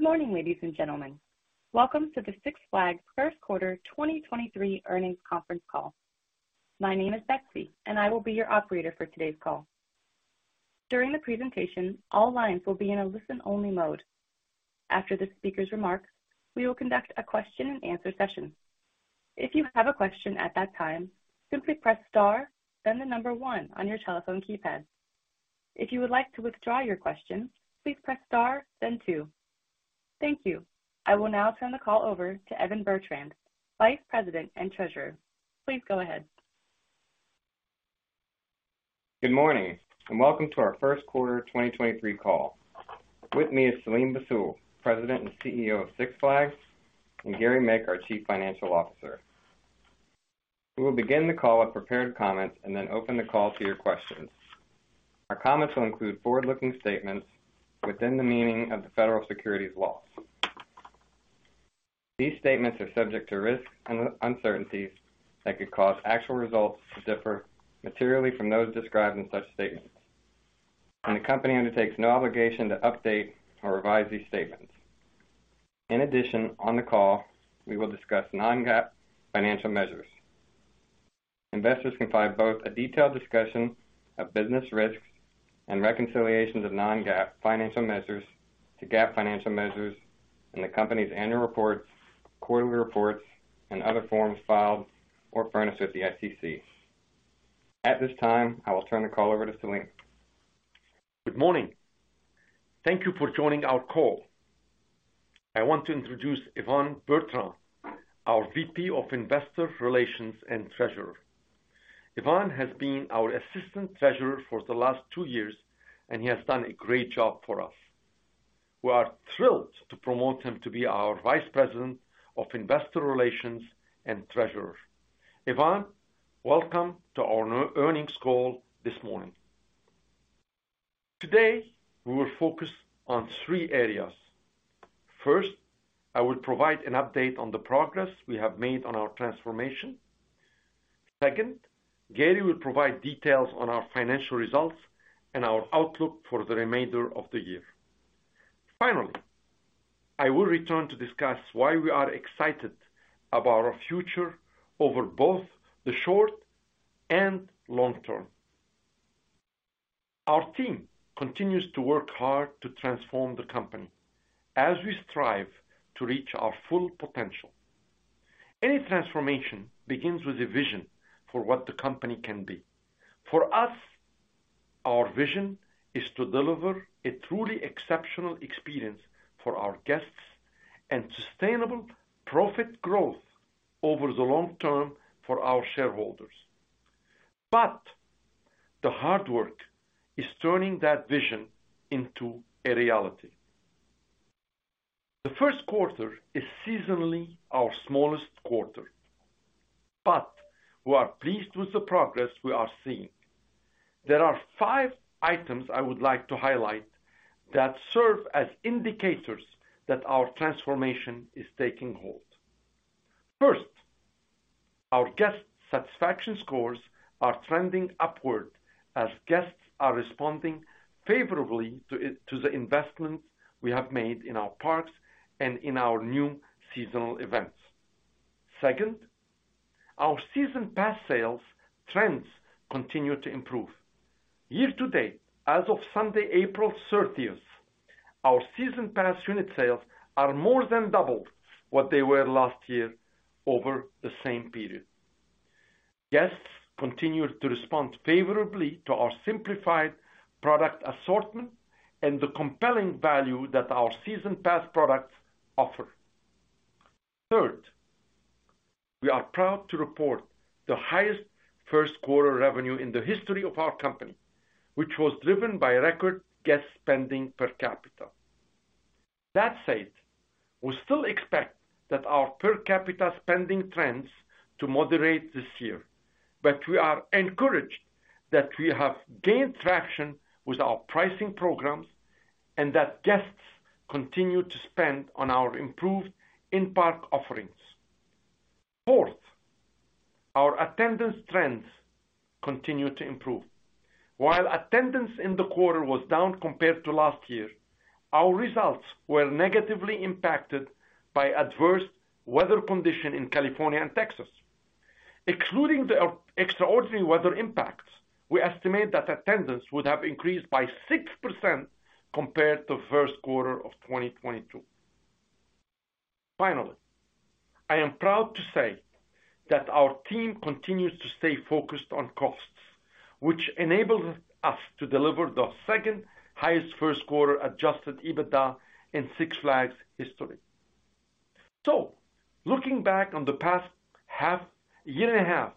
Good morning, ladies and gentlemen. Welcome to the Six Flags first quarter 2023 earnings conference call. My name is Betsy. I will be your operator for today's call. During the presentation, all lines will be in a listen-only mode. After the speaker's remarks, we will conduct a question-and-answer session. If you have a question at that time, simply press star, then one on your telephone keypad. If you would like to withdraw your question, please press star, then two. Thank you. I will now turn the call over to Evan Bertrand, Vice President and Treasurer. Please go ahead. Good morning, welcome to our first quarter 2023 call. With me is Selim Bassoul, President and CEO of Six Flags, and Gary Mick, our Chief Financial Officer. We will begin the call with prepared comments and then open the call to your questions. Our comments will include forward-looking statements within the meaning of the federal securities laws. These statements are subject to risks and uncertainties that could cause actual results to differ materially from those described in such statements. The company undertakes no obligation to update or revise these statements. In addition, on the call, we will discuss non-GAAP financial measures. Investors can find both a detailed discussion of business risks and reconciliations of non-GAAP financial measures to GAAP financial measures in the company's annual reports, quarterly reports, and other forms filed or furnished with the SEC. At this time, I will turn the call over to Selim. Good morning. Thank you for joining our call. I want to introduce Evan Bertrand, our Vice President of Investor Relations and Treasurer. Evan has been our Assistant Treasurer for the last two years, and he has done a great job for us. We are thrilled to promote him to be our Vice President of Investor Relations and Treasurer. Evan, welcome to our earnings call this morning. Today, we will focus on three areas. First, I will provide an update on the progress we have made on our transformation. Second, Gary will provide details on our financial results and our outlook for the remainder of the year. Finally, I will return to discuss why we are excited about our future over both the short and long term. Our team continues to work hard to transform the company as we strive to reach our full potential. Any transformation begins with a vision for what the company can be. For us, our vision is to deliver a truly exceptional experience for our guests and sustainable profit growth over the long term for our shareholders. The hard work is turning that vision into a reality. The first quarter is seasonally our smallest quarter, but we are pleased with the progress we are seeing. There are five items I would like to highlight that serve as indicators that our transformation is taking hold. First, our guest satisfaction scores are trending upward as guests are responding favorably to the investments we have made in our parks and in our new seasonal events. Second, our Season Pass sales trends continue to improve. Year to date, as of Sunday, April 30th, our Season Pass unit sales are more than double what they were last year over the same period. Guests continued to respond favorably to our simplified product assortment and the compelling value that our Season Pass products offer. Third, we are proud to report the highest first-quarter revenue in the history of our company, which was driven by record guest spending per capita. That said, we still expect that our per capita spending trends to moderate this year, but we are encouraged that we have gained traction with our pricing programs and that guests continue to spend on our improved in-park offerings. Fourth, our attendance trends continue to improve. While attendance in the quarter was down compared to last year, our results were negatively impacted by adverse weather condition in California and Texas. Excluding the extraordinary weather impacts, we estimate that attendance would have increased by 6% compared to first quarter of 2022. Finally, I am proud to say that our team continues to stay focused on costs, which enables us to deliver the second-highest first-quarter adjusted EBITDA in Six Flags history. Looking back on the past year and a half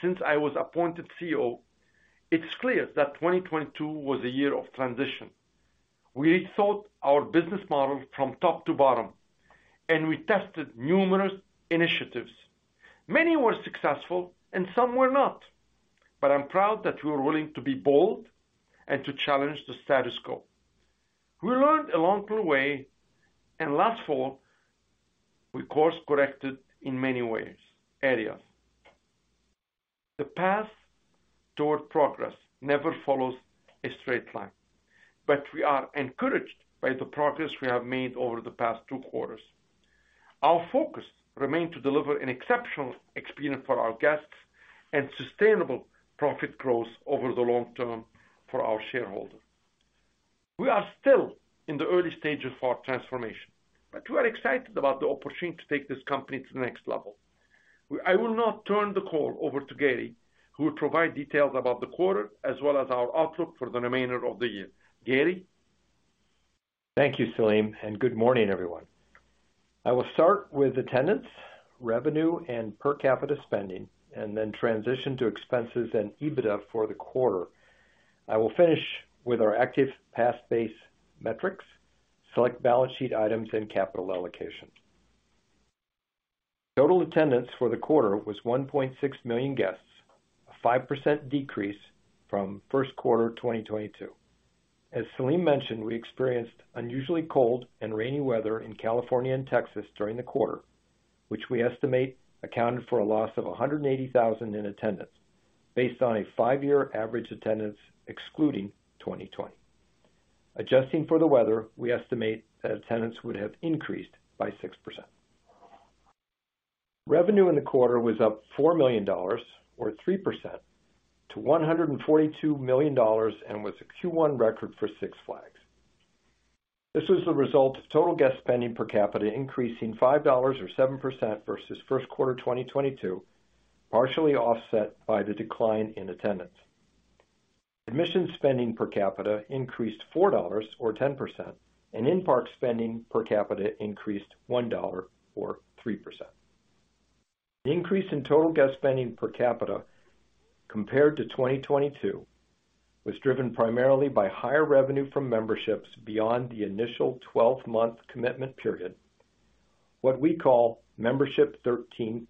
since I was appointed CEO, it's clear that 2022 was a year of transition. We rethought our business model from top to bottom, and we tested numerous initiatives. Many were successful and some were not. I'm proud that we were willing to be bold and to challenge the status quo. We learned along the way, and last fall we course-corrected in many areas. The path toward progress never follows a straight line, but we are encouraged by the progress we have made over the past two quarters. Our focus remains to deliver an exceptional experience for our guests and sustainable profit growth over the long term for our shareholders. We are still in the early stages of our transformation. We are excited about the opportunity to take this company to the next level. I will now turn the call over to Gary, who will provide details about the quarter as well as our outlook for the remainder of the year. Gary? Thank you, Selim. Good morning, everyone. I will start with attendance, revenue, and per capita spending and then transition to expenses and EBITDA for the quarter. I will finish with our active pass base metrics, select balance sheet items and capital allocation. Total attendance for the quarter was 1.6 million guests, a 5% decrease from first quarter 2022. As Selim mentioned, we experienced unusually cold and rainy weather in California and Texas during the quarter, which we estimate accounted for a loss of 180,000 in attendance based on a five-year average attendance excluding 2020. Adjusting for the weather, we estimate that attendance would have increased by 6%. Revenue in the quarter was up $4 million or 3% to $142 million and was a Q1 record for Six Flags. This was the result of total guest spending per capita increasing $5 or 7% versus first quarter 2022, partially offset by the decline in attendance. Admission spending per capita increased $4 or 10%, and in-park spending per capita increased $1 or 3%. The increase in total guest spending per capita compared to 2022 was driven primarily by higher revenue from memberships beyond the initial 12-month commitment period, what we call Membership 13+,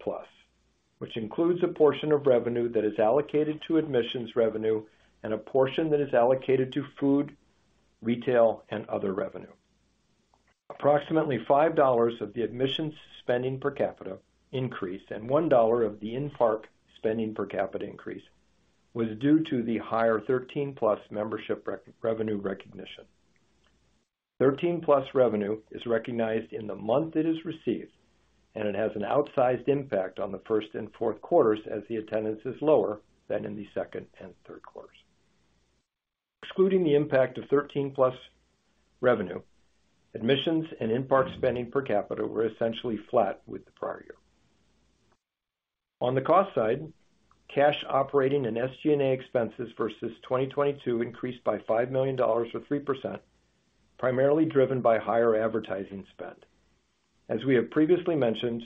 which includes a portion of revenue that is allocated to admissions revenue and a portion that is allocated to food, retail, and other revenue. Approximately $5 of the admissions spending per capita increase and $1 of the in-park spending per capita increase was due to the higher 13+ membership revenue recognition. 13+ revenue is recognized in the month it is received. It has an outsized impact on the first and fourth quarters as the attendance is lower than in the second and third quarters. Excluding the impact of 13+ revenue, admissions and in-park spending per capita were essentially flat with the prior year. On the cost side, cash operating and SG&A expenses versus 2022 increased by $5 million or 3%, primarily driven by higher advertising spend. As we have previously mentioned,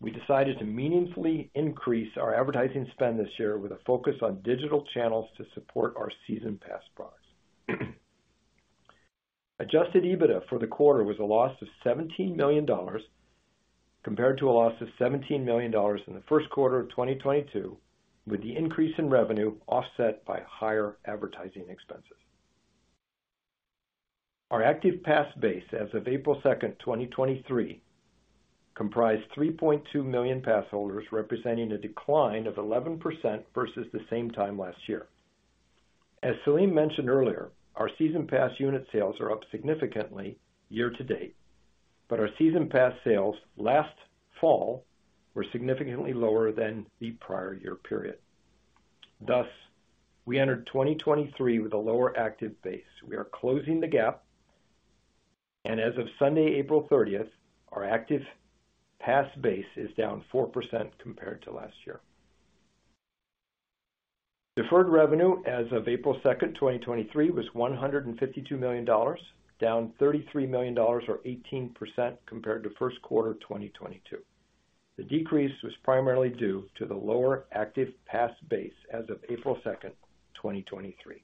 we decided to meaningfully increase our advertising spend this year with a focus on digital channels to support our Season Pass products. Adjusted EBITDA for the quarter was a loss of $17 million compared to a loss of $17 million in the first quarter of 2022, with the increase in revenue offset by higher advertising expenses. Our active pass base as of April 2nd, 2023 comprised 3.2 million pass holders, representing a decline of 11% versus the same time last year. As Selim mentioned earlier, our Season Pass unit sales are up significantly year to date, but our Season Pass sales last fall were significantly lower than the prior year period. Thus, we entered 2023 with a lower active base. We are closing the gap, and as of Sunday, April 30th, our active pass base is down 4% compared to last year. deferred revenue as of April 2nd, 2023 was $152 million, down $33 million or 18% compared to first quarter 2022. The decrease was primarily due to the lower active pass base as of April 2nd, 2023.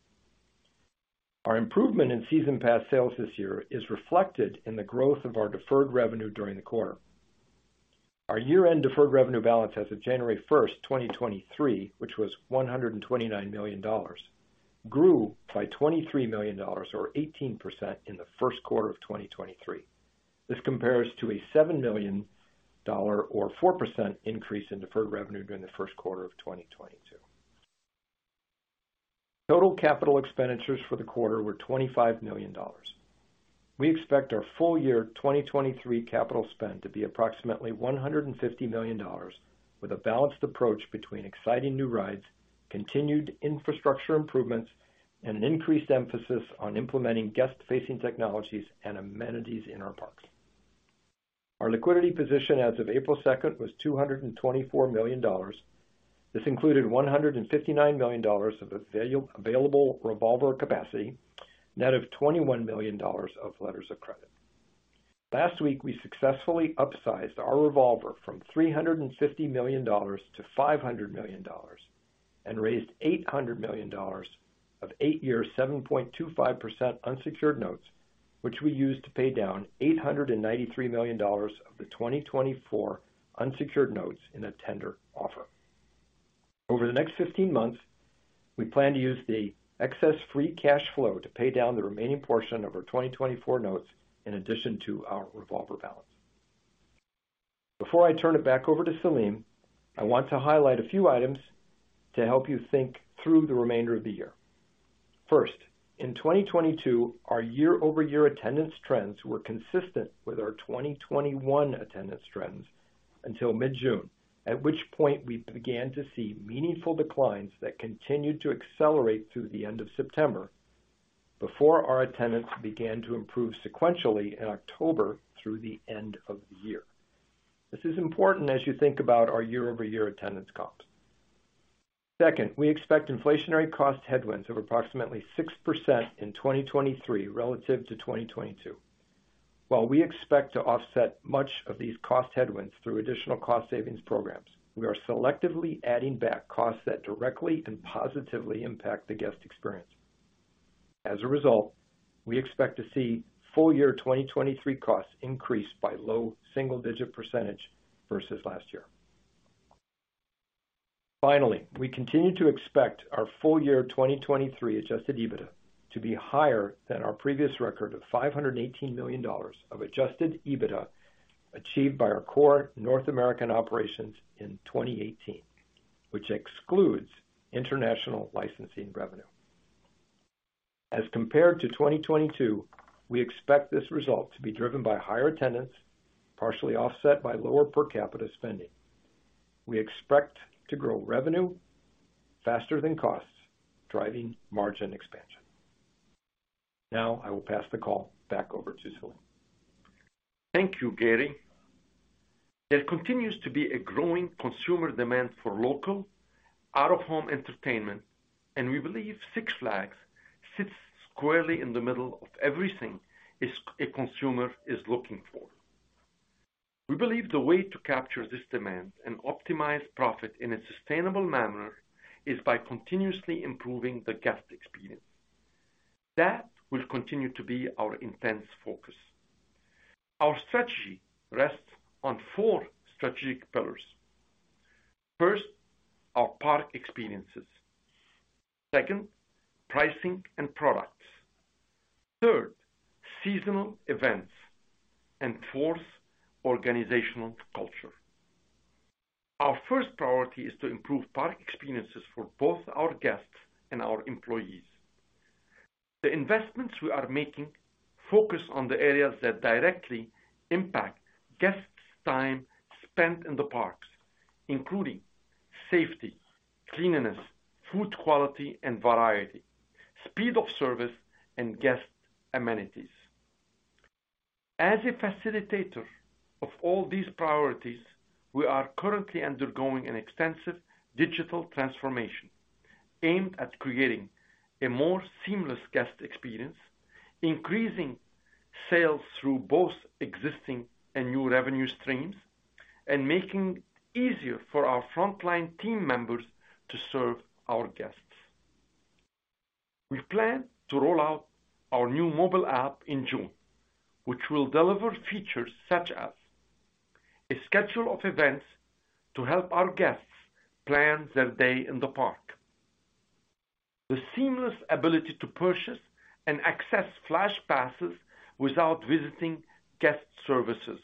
Our improvement in Season Pass sales this year is reflected in the growth of our deferred revenue during the quarter. Our year-end deferred revenue balance as of January 1st, 2023, which was $129 million, grew by $23 million or 18% in the first quarter of 2023. This compares to a $7 million or 4% increase in deferred revenue during the first quarter of 2022. Total capital expenditures for the quarter were $25 million. We expect our full year 2023 capital spend to be approximately $150 million with a balanced approach between exciting new rides, continued infrastructure improvements, and an increased emphasis on implementing guest-facing technologies and amenities in our parks. Our liquidity position as of April 2nd was $224 million. This included $159 million of available revolver capacity, net of $21 million of letters of credit. Last week, we successfully upsized our revolver from $350 million to $500 million and raised $800 million of eight-year, 7.25% unsecured notes, which we used to pay down $893 million of the 2024 unsecured notes in a tender offer. Over the next 15 months, we plan to use the excess free cash flow to pay down the remaining portion of our 2024 notes in addition to our revolver balance. Before I turn it back over to Selim, I want to highlight a few items to help you think through the remainder of the year. First, in 2022, our year-over-year attendance trends were consistent with our 2021 attendance trends until mid-June, at which point we began to see meaningful declines that continued to accelerate through the end of September, before our attendance began to improve sequentially in October through the end of the year. This is important as you think about our year-over-year attendance comps. Second, we expect inflationary cost headwinds of approximately 6% in 2023 relative to 2022. While we expect to offset much of these cost headwinds through additional cost savings programs, we are selectively adding back costs that directly and positively impact the guest experience. As a result, we expect to see full year 2023 costs increase by low single-digit percentage versus last year. We continue to expect our full year 2023 adjusted EBITDA to be higher than our previous record of $518 million of adjusted EBITDA achieved by our core North American operations in 2018, which excludes international licensing revenue. Compared to 2022, we expect this result to be driven by higher attendance, partially offset by lower per capita spending. We expect to grow revenue faster than costs, driving margin expansion. I will pass the call back over to Selim. Thank you, Gary. There continues to be a growing consumer demand for local out-of-home entertainment, we believe Six Flags sits squarely in the middle of everything a consumer is looking for. We believe the way to capture this demand and optimize profit in a sustainable manner is by continuously improving the guest experience. That will continue to be our intense focus. Our strategy rests on four strategic pillars. First, our park experiences. Second, pricing and products. Third, seasonal events. Fourth, organizational culture. Our first priority is to improve park experiences for both our guests and our employees. The investments we are making focus on the areas that directly impact guests' time spent in the parks, including safety, cleanliness, food quality and variety, speed of service and guest amenities. As a facilitator of all these priorities, we are currently undergoing an extensive digital transformation aimed at creating a more seamless guest experience, increasing sales through both existing and new revenue streams, and making it easier for our frontline team members to serve our guests. We plan to roll out our new mobile app in June, which will deliver features such as a schedule of events to help our guests plan their day in the park. The seamless ability to purchase and access Flash Passes without visiting guest services.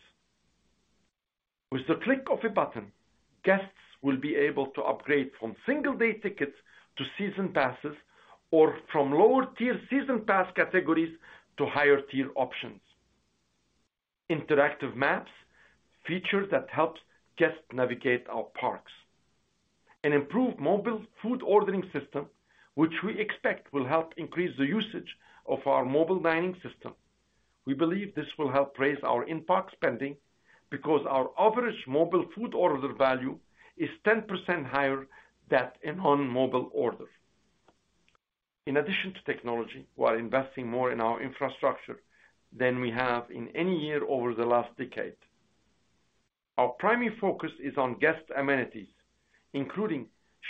With the click of a button, guests will be able to upgrade from single-day tickets to Season Passes or from lower-tier Season Pass categories to higher-tier options. Interactive maps, features that helps guests navigate our parks. An improved mobile food ordering system, which we expect will help increase the usage of our mobile dining system. We believe this will help raise our in-park spending because our average mobile food order value is 10% higher that in on-mobile orders. In addition to technology, we are investing more in our infrastructure than we have in any year over the last decade. Our primary focus is on guest amenities, including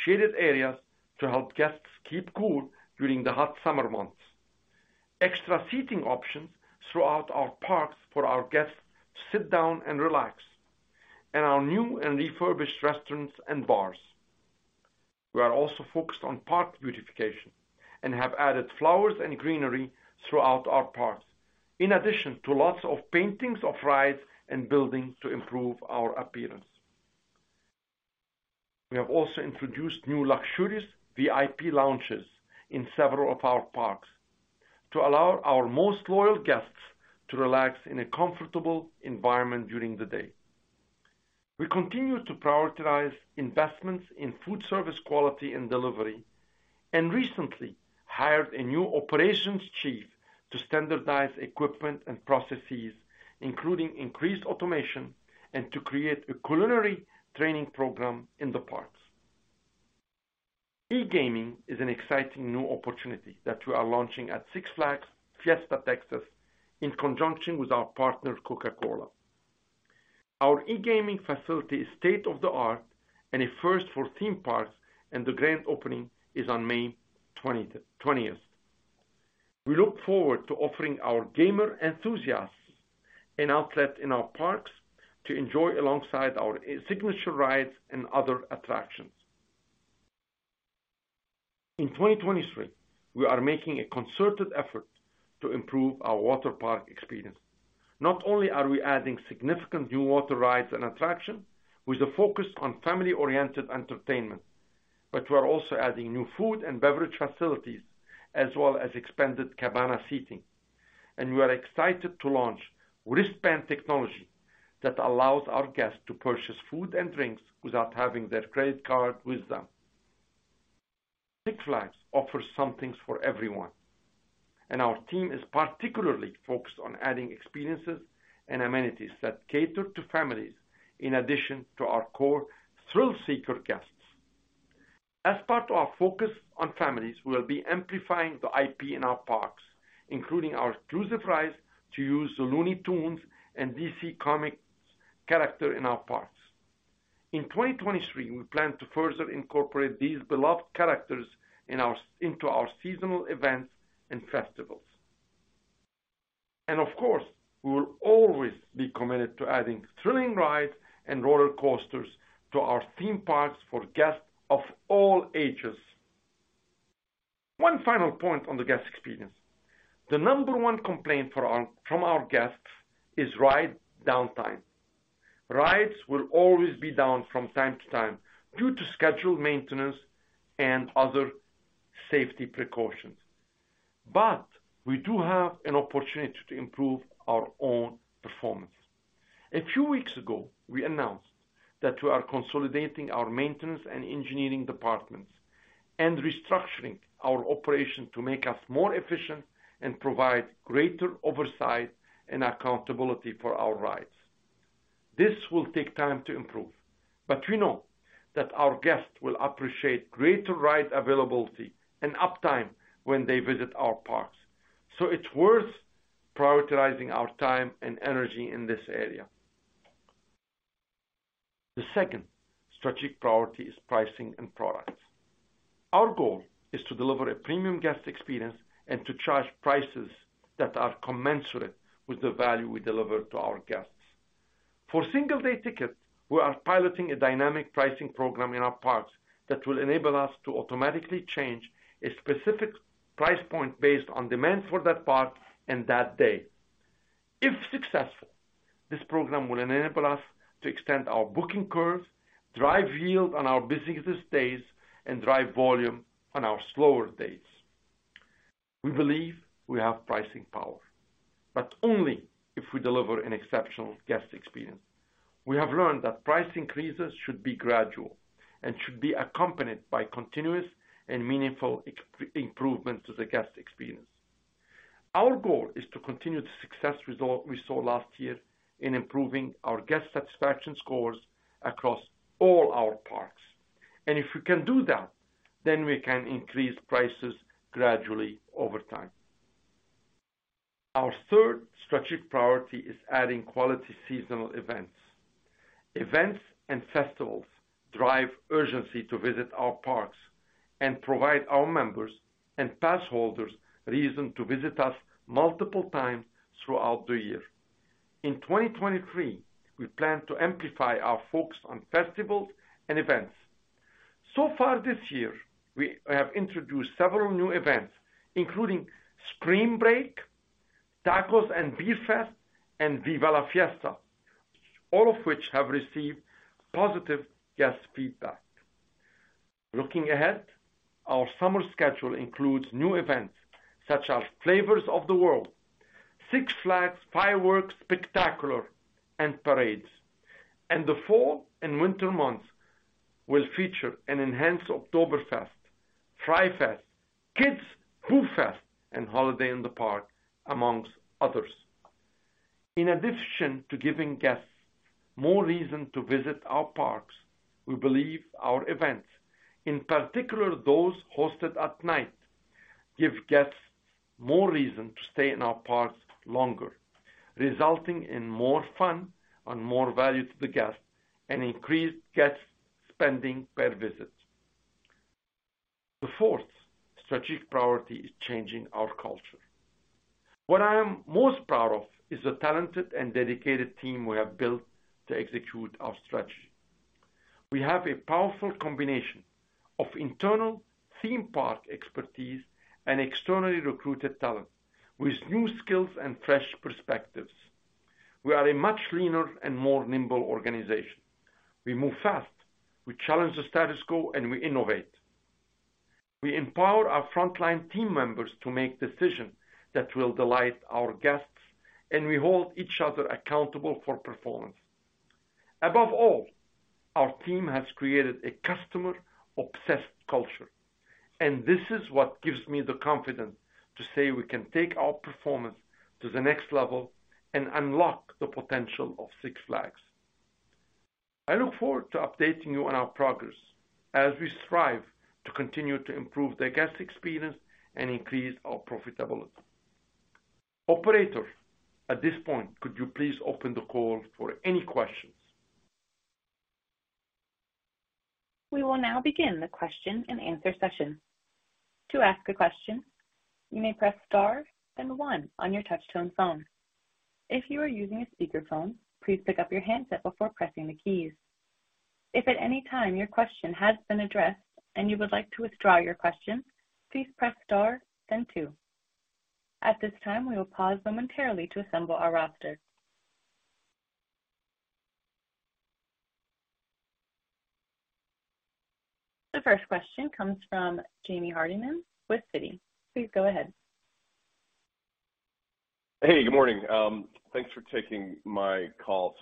shaded areas to help guests keep cool during the hot summer months, extra seating options throughout our parks for our guests to sit down and relax, and our new and refurbished restaurants and bars. We are also focused on park beautification and have added flowers and greenery throughout our parks, in addition to lots of paintings of rides and buildings to improve our appearance. We have also introduced new luxurious VIP lounges in several of our parks to allow our most loyal guests to relax in a comfortable environment during the day. We continue to prioritize investments in food service quality and delivery, and recently hired a new operations chief to standardize equipment and processes, including increased automation and to create a culinary training program in the parks. E-gaming is an exciting new opportunity that we are launching at Six Flags Fiesta Texas in conjunction with our partner, Coca-Cola. Our e-gaming facility is state-of-the-art and a first for theme parks, and the grand opening is on May 20th. We look forward to offering our gamer enthusiasts an outlet in our parks to enjoy alongside our signature rides and other attractions. In 2023, we are making a concerted effort to improve our water park experience. Not only are we adding significant new water rides and attraction with a focus on family-oriented entertainment, but we're also adding new food and beverage facilities as well as expanded cabana seating. We are excited to launch wristband technology that allows our guests to purchase food and drinks without having their credit card with them. Six Flags offers something for everyone, and our team is particularly focused on adding experiences and amenities that cater to families in addition to our core thrill-seeker guests. As part of our focus on families, we'll be amplifying the IP in our parks, including our exclusive rights to use the Looney Tunes and DC Comics character in our parks. In 2023, we plan to further incorporate these beloved characters into our seasonal events and festivals. Of course, we will always be committed to adding thrilling rides and roller coasters to our theme parks for guests of all ages. One final point on the guest experience. The number one complaint from our guests is ride downtime. Rides will always be down from time to time due to scheduled maintenance and other safety precautions. We do have an opportunity to improve our own performance. A few weeks ago, we announced that we are consolidating our maintenance and engineering departments and restructuring our operation to make us more efficient and provide greater oversight and accountability for our rides. This will take time to improve, but we know that our guests will appreciate greater ride availability and uptime when they visit our parks. It's worth prioritizing our time and energy in this area. The second strategic priority is pricing and products. Our goal is to deliver a premium guest experience and to charge prices that are commensurate with the value we deliver to our guests. For single-day tickets, we are piloting a dynamic pricing program in our parks that will enable us to automatically change a specific price point based on demand for that park and that day. If successful, this program will enable us to extend our booking curves, drive yield on our busiest days, and drive volume on our slower days. We believe we have pricing power, but only if we deliver an exceptional guest experience. We have learned that price increases should be gradual and should be accompanied by continuous and meaningful improvements to the guest experience. Our goal is to continue the success we saw last year in improving our guest satisfaction scores across all our parks. If we can do that, then we can increase prices gradually over time. Our third strategic priority is adding quality seasonal events. Events and festivals drive urgency to visit our parks and provide our members and pass holders reason to visit us multiple times throughout the year. In 2023, we plan to amplify our focus on festivals and events. So far this year, we have introduced several new events, including Scream Break, Tacos and Beer Fest, and Viva La Fiesta, all of which have received positive guest feedback. Looking ahead, our summer schedule includes new events such as Flavors of the World, Six Flags Fireworks Spectacular and Parades. The fall and winter months will feature an enhanced Oktoberfest, Fright Fest, Kids Boo Fest, and Holiday in the Park, amongst others. In addition to giving guests more reason to visit our parks, we believe our events, in particular, those hosted at night, give guests more reason to stay in our parks longer, resulting in more fun and more value to the guest and increased guest spending per visit. The fourth strategic priority is changing our culture. What I am most proud of is the talented and dedicated team we have built to execute our strategy. We have a powerful combination of internal theme park expertise and externally recruited talent with new skills and fresh perspectives. We are a much leaner and more nimble organization. We move fast, we challenge the status quo, and we innovate. We empower our frontline team members to make decisions that will delight our guests, and we hold each other accountable for performance. Above all, our team has created a customer-obsessed culture, and this is what gives me the confidence to say we can take our performance to the next level and unlock the potential of Six Flags. I look forward to updating you on our progress as we strive to continue to improve the guest experience and increase our profitability. Operator, at this point, could you please open the call for any questions? We will now begin the question and answer session. To ask a question, you may press star then one on your touch-tone phone. If you are using a speakerphone, please pick up your handset before pressing the keys. If at any time your question has been addressed and you would like to withdraw your question, please press star then two. At this time, we will pause momentarily to assemble our roster. The first question comes from Jamie Hardiman with Citi. Please go ahead. Hey, good morning. Thanks for taking my call.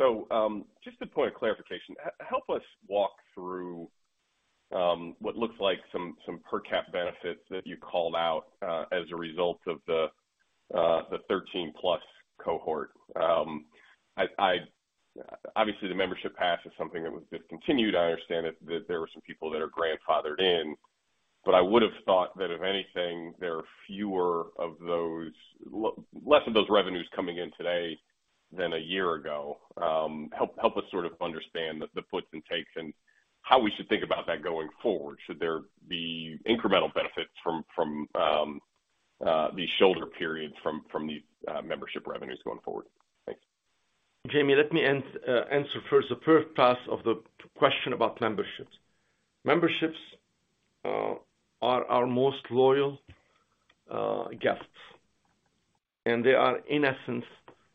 Just a point of clarification. Help us walk through what looks like some per cap benefits that you called out as a result of the 13+ cohort. Obviously, the membership pass is something that was discontinued. I understand it, that there were some people that are grandfathered in, but I would have thought that if anything, there are fewer of those Less of those revenues coming in today than a year ago. Help us sort of understand the puts and takes and how we should think about that going forward. Should there be incremental benefits from these shoulder periods from these membership revenues going forward? Thanks. Jamie, let me answer first the first part of the question about memberships. Memberships are our most loyal guests, and they are in essence,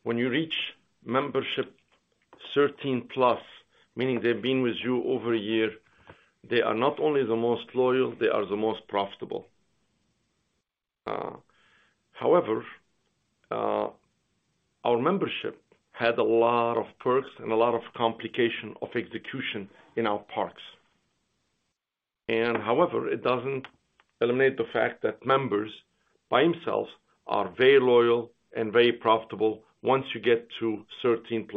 when you reach membership 13+, meaning they've been with you over a year, they are not only the most loyal, they are the most profitable. However, our membership had a lot of perks and a lot of complication of execution in our parks. However, it doesn't eliminate the fact that members by themselves are very loyal and very profitable once you get to 13+.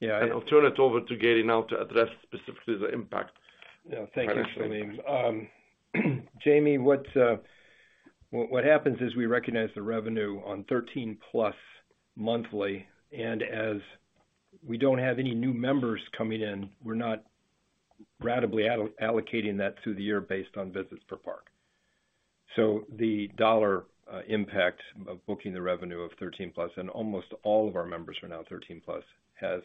Yeah. I'll turn it over to Gary now to address specifically the impact. Yeah. Thank you, Selim. Jamie, what happens is we recognize the revenue on 13+ monthly. As we don't have any new members coming in, we're not ratably allocating that through the year based on visits per park. The dollar impact of booking the revenue of 13+ and almost all of our members are now 13+, has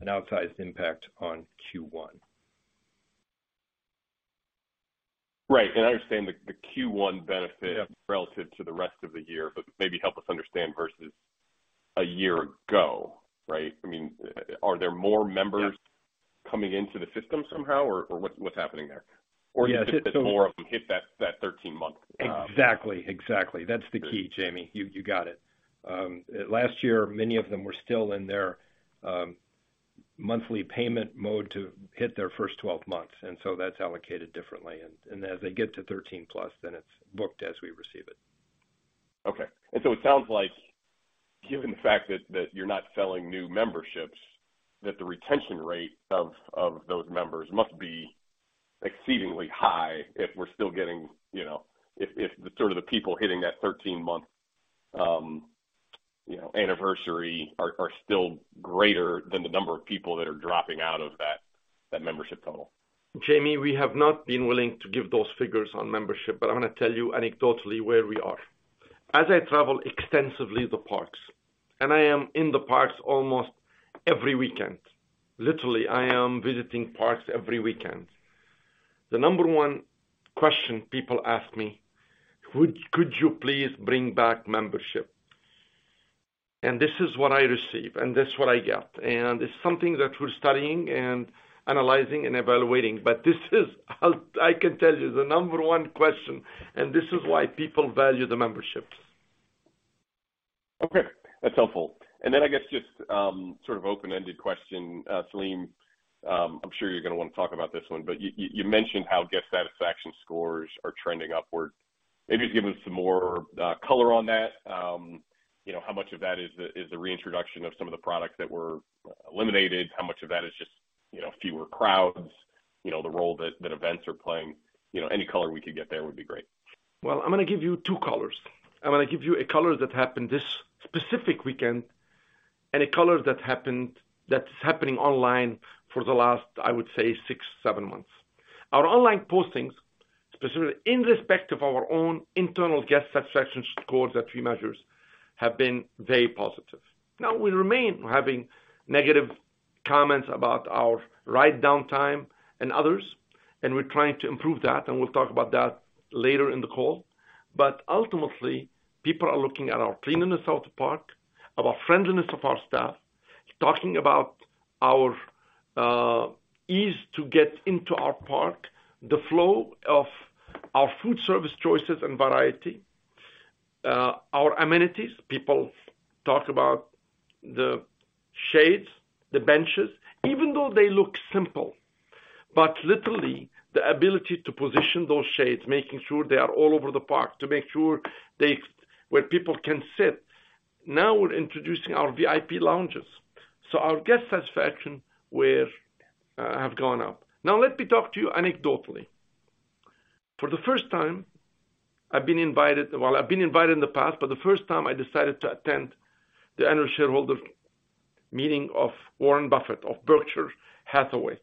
an outsized impact on Q1. Right. I understand the Q1 benefit- Yeah. -relative to the rest of the year, but maybe help us understand versus a year ago, right? I mean, are there more members? Yeah. Coming into the system somehow, or what's happening there? Yeah. More of them hit that 13-month. Exactly. Exactly. That's the key, Jamie. You got it. Last year, many of them were still in their monthly payment mode to hit their first 12 months. That's allocated differently. As they get to 13+, it's booked as we receive it. Okay. It sounds like given the fact that you're not selling new memberships, that the retention rate of those members must be exceedingly high if we're still getting, you know, if the sort of the people hitting that 13-month, you know, anniversary are still greater than the number of people that are dropping out of that membership total. Jamie, we have not been willing to give those figures on membership. I'm gonna tell you anecdotally where we are. As I travel extensively the parks, I am in the parks almost every weekend. Literally, I am visiting parks every weekend. The number one question people ask me: could you please bring back membership? This is what I receive, and this is what I get. It's something that we're studying and analyzing and evaluating. This is, I can tell you, the number one question, and this is why people value the memberships. Okay. That's helpful. I guess just, sort of open-ended question, Selim, I'm sure you're gonna wanna talk about this one, but you mentioned how guest satisfaction scores are trending upward. Maybe just give us some more color on that. You know, how much of that is the reintroduction of some of the products that were eliminated? How much of that is just, you know, fewer crowds? You know, the role that events are playing. You know, any color we could get there would be great. Well, I'm gonna give you two colors. I'm gonna give you a color that happened this specific weekend and a color that's happening online for the last, I would say, six, seven months. Our online postings, specifically in respect of our own internal guest satisfaction scores that we measure, have been very positive. We remain having negative comments about our ride downtime and others, and we're trying to improve that, and we'll talk about that later in the call. Ultimately, people are looking at our cleanliness of the park, about friendliness of our staff, talking about our ease to get into our park, the flow of our food service choices and variety, our amenities. People talk about the shades, the benches, even though they look simple, but literally, the ability to position those shades, making sure they are all over the park, to make sure where people can sit. We're introducing our VIP lounges. Our guest satisfaction were have gone up. Let me talk to you anecdotally. For the first time, Well, I've been invited in the past, but the first time I decided to attend the annual shareholder meeting of Warren Buffett, of Berkshire Hathaway.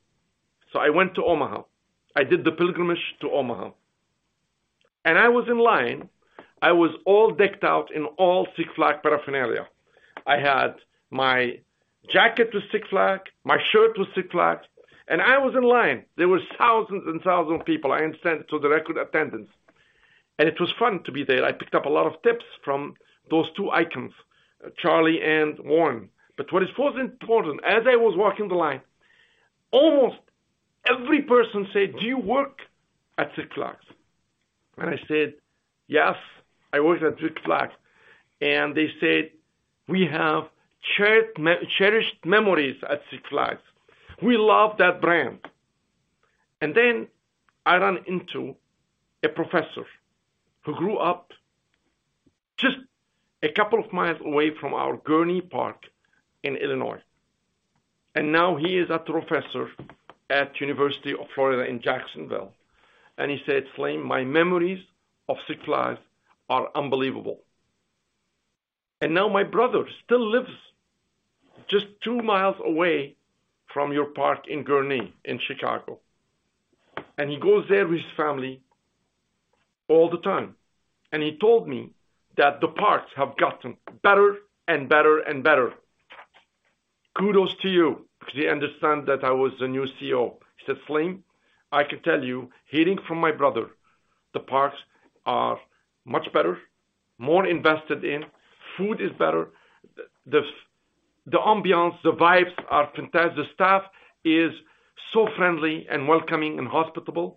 I went to Omaha. I did the pilgrimage to Omaha. I was in line. I was all decked out in all Six Flags paraphernalia. I had my jacket with Six Flags, my shirt with Six Flags, I was in line. There was thousands and thousands of people. I understand it to the record attendance. It was fun to be there. I picked up a lot of tips from those two icons, Charlie and Warren. What is most important, as I was walking the line, almost every person said, "Do you work at Six Flags?" I said, "Yes, I work at Six Flags." They said, "We have cherished memories at Six Flags. We love that brand." I ran into a professor who grew up just a couple of miles away from our Gurnee park in Illinois, and now he is a professor at University of North Florida in Jacksonville. He said, "Selim, my memories of Six Flags are unbelievable." My brother still lives just two miles away from your park in Gurnee, in Chicago. He goes there with his family all the time. He told me that the parks have gotten better and better and better. Kudos to you, because he understand that I was the new CEO. He said, "Selim, I can tell you, hearing from my brother, the parks are much better, more invested in. Food is better. The ambiance, the vibes are fantastic. The staff is so friendly and welcoming and hospitable.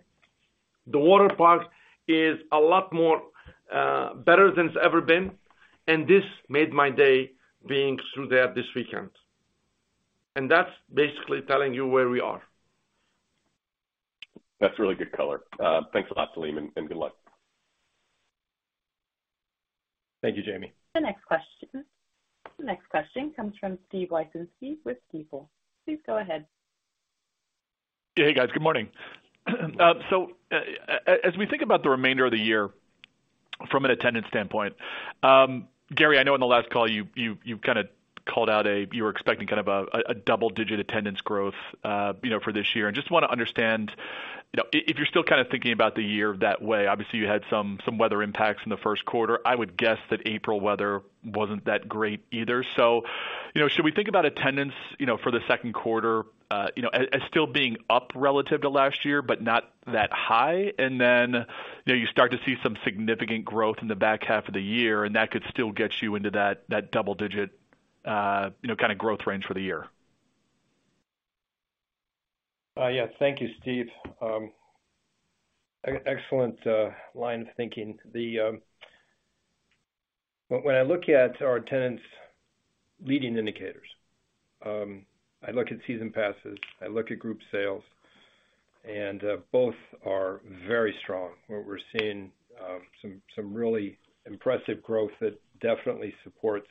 The water park is a lot more better than it's ever been. This made my day being through there this weekend." That's basically telling you where we are. That's really good color. Thanks a lot, Selim, and good luck. Thank you, Jamie. The next question comes from Steve Wieczynski with Stifel. Please go ahead. Hey, guys. Good morning. As we think about the remainder of the year from an attendance standpoint, Gary, I know in the last call, you kinda called out you were expecting kind of a double-digit attendance growth, you know, for this year. Just wanna understand if you're still kinda thinking about the year that way. Obviously, you had some weather impacts in the first quarter. I would guess that April weather wasn't that great either. You know, should we think about attendance, you know, for the second quarter, you know, as still being up relative to last year, but not that high? Then, you know, you start to see some significant growth in the back half of the year, and that could still get you into that double digit, you know, kind of growth range for the year. Yeah. Thank you, Steve. Excellent line of thinking. When I look at our attendance leading indicators, I look at Season Passes, I look at group sales, and both are very strong. We're seeing some really impressive growth that definitely supports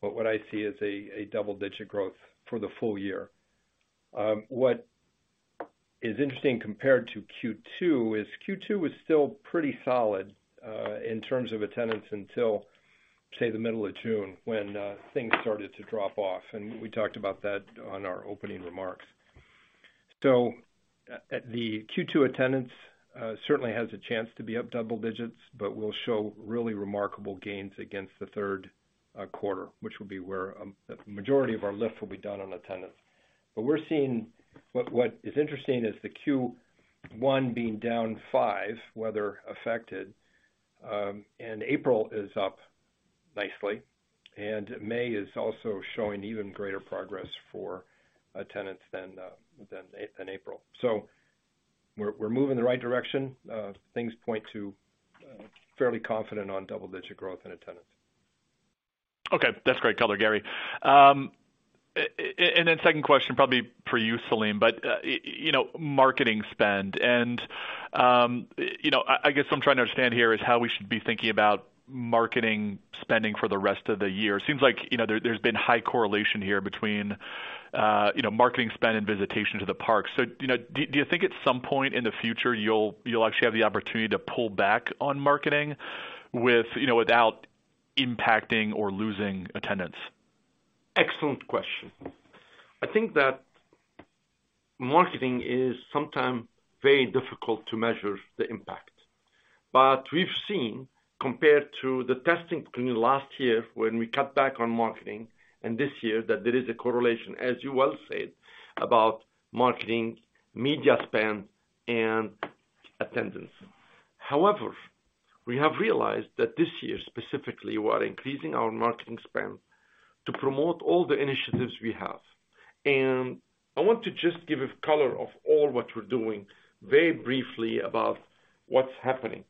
what I see as a double-digit growth for the full year. What is interesting compared to Q2 is Q2 was still pretty solid in terms of attendance until, say, the middle of June, when things started to drop off, and we talked about that on our opening remarks. At the Q2 attendance certainly has a chance to be up double digits, but will show really remarkable gains against the third quarter, which will be where the majority of our lifts will be done on attendance. We're seeing... What is interesting is the Q1 being down 5%, weather-affected. April is up nicely, and May is also showing even greater progress for attendance than April. We're moving in the right direction. Things point to fairly confident on double-digit growth in attendance. Okay, that's great color, Gary. And then second question probably for you, Selim, but you know, marketing spend. You know, I guess what I'm trying to understand here is how we should be thinking about marketing spending for the rest of the year. It seems like, you know, there's been high correlation here between, you know, marketing spend and visitation to the parks. You know, do you think at some point in the future you'll actually have the opportunity to pull back on marketing with, you know, without impacting or losing attendance? Excellent question. I think that marketing is sometimes very difficult to measure the impact. We've seen, compared to the testing between last year when we cut back on marketing and this year, that there is a correlation, as you well said, about marketing, media spend, and attendance. We have realized that this year specifically, we are increasing our marketing spend to promote all the initiatives we have. I want to just give a color of all what we're doing very briefly about what's happening.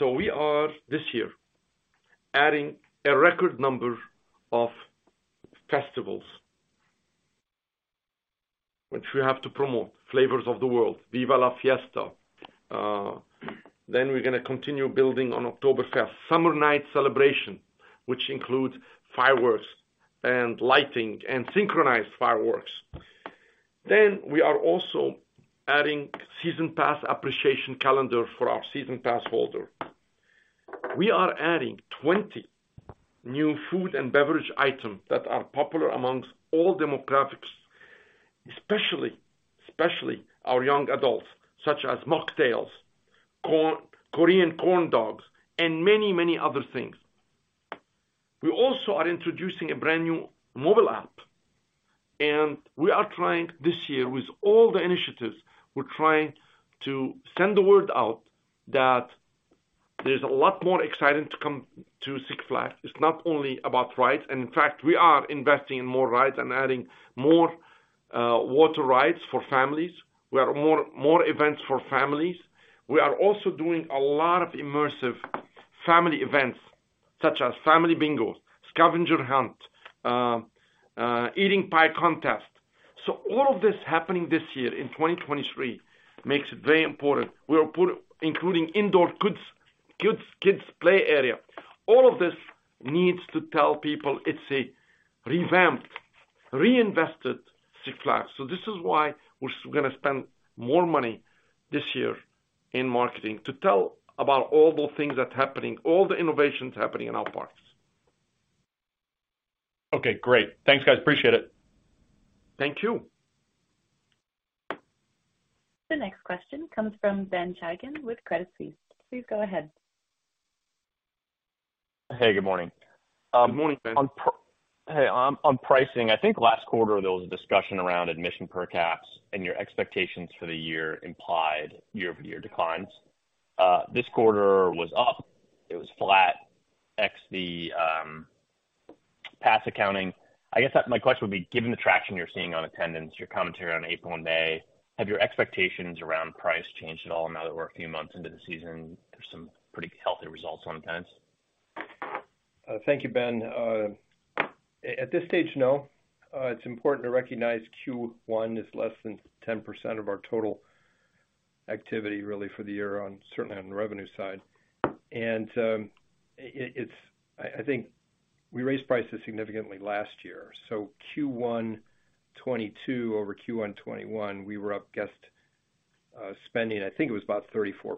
We are, this year, adding a record number of festivals, which we have to promote. Flavors of the World, Viva La Fiesta. We're gonna continue building on Oktoberfest. Summer Night Celebration, which includes fireworks and lighting and synchronized fireworks. We are also adding Season Pass appreciation calendar for our Season Pass holder. We are adding 20 new food and beverage items that are popular amongst all demographics, especially our young adults, such as mocktails, Korean Corn Dogs, and many, many other things. We also are introducing a brand new mobile app, and we are trying this year with all the initiatives, we're trying to send the word out that there's a lot more exciting to come to Six Flags. It's not only about rides, and in fact, we are investing in more rides and adding more water rides for families. We have more events for families. We are also doing a lot of immersive family events such as Family Bingo, Scavenger Hunt, Eating Pie Contest. All of this happening this year in 2023 makes it very important including indoor kids play area. All of this needs to tell people it's a revamped, reinvested Six Flags. This is why we're gonna spend more money this year in marketing to tell about all those things that's happening, all the innovations happening in our parks. Okay, great. Thanks, guys. Appreciate it. Thank you. The next question comes from Ben Chaiken with Credit Suisse. Please go ahead. Hey, good morning. Good morning, Ben. On pricing, I think last quarter, there was a discussion around admission per caps and your expectations for the year implied year-over-year declines. This quarter was up. It was flat, ex the pass accounting. I guess that my question would be, given the traction you're seeing on attendance, your commentary on April and May, have your expectations around price changed at all now that we're a few months into the season? There's some pretty healthy results on attendance. Thank you, Ben. At this stage, no. It's important to recognize Q1 is less than 10% of our total activity really for the year on, certainly on the revenue side. I think we raised prices significantly last year. Q1 2022 over Q1 2021, we were up guest spending, I think it was about 34%.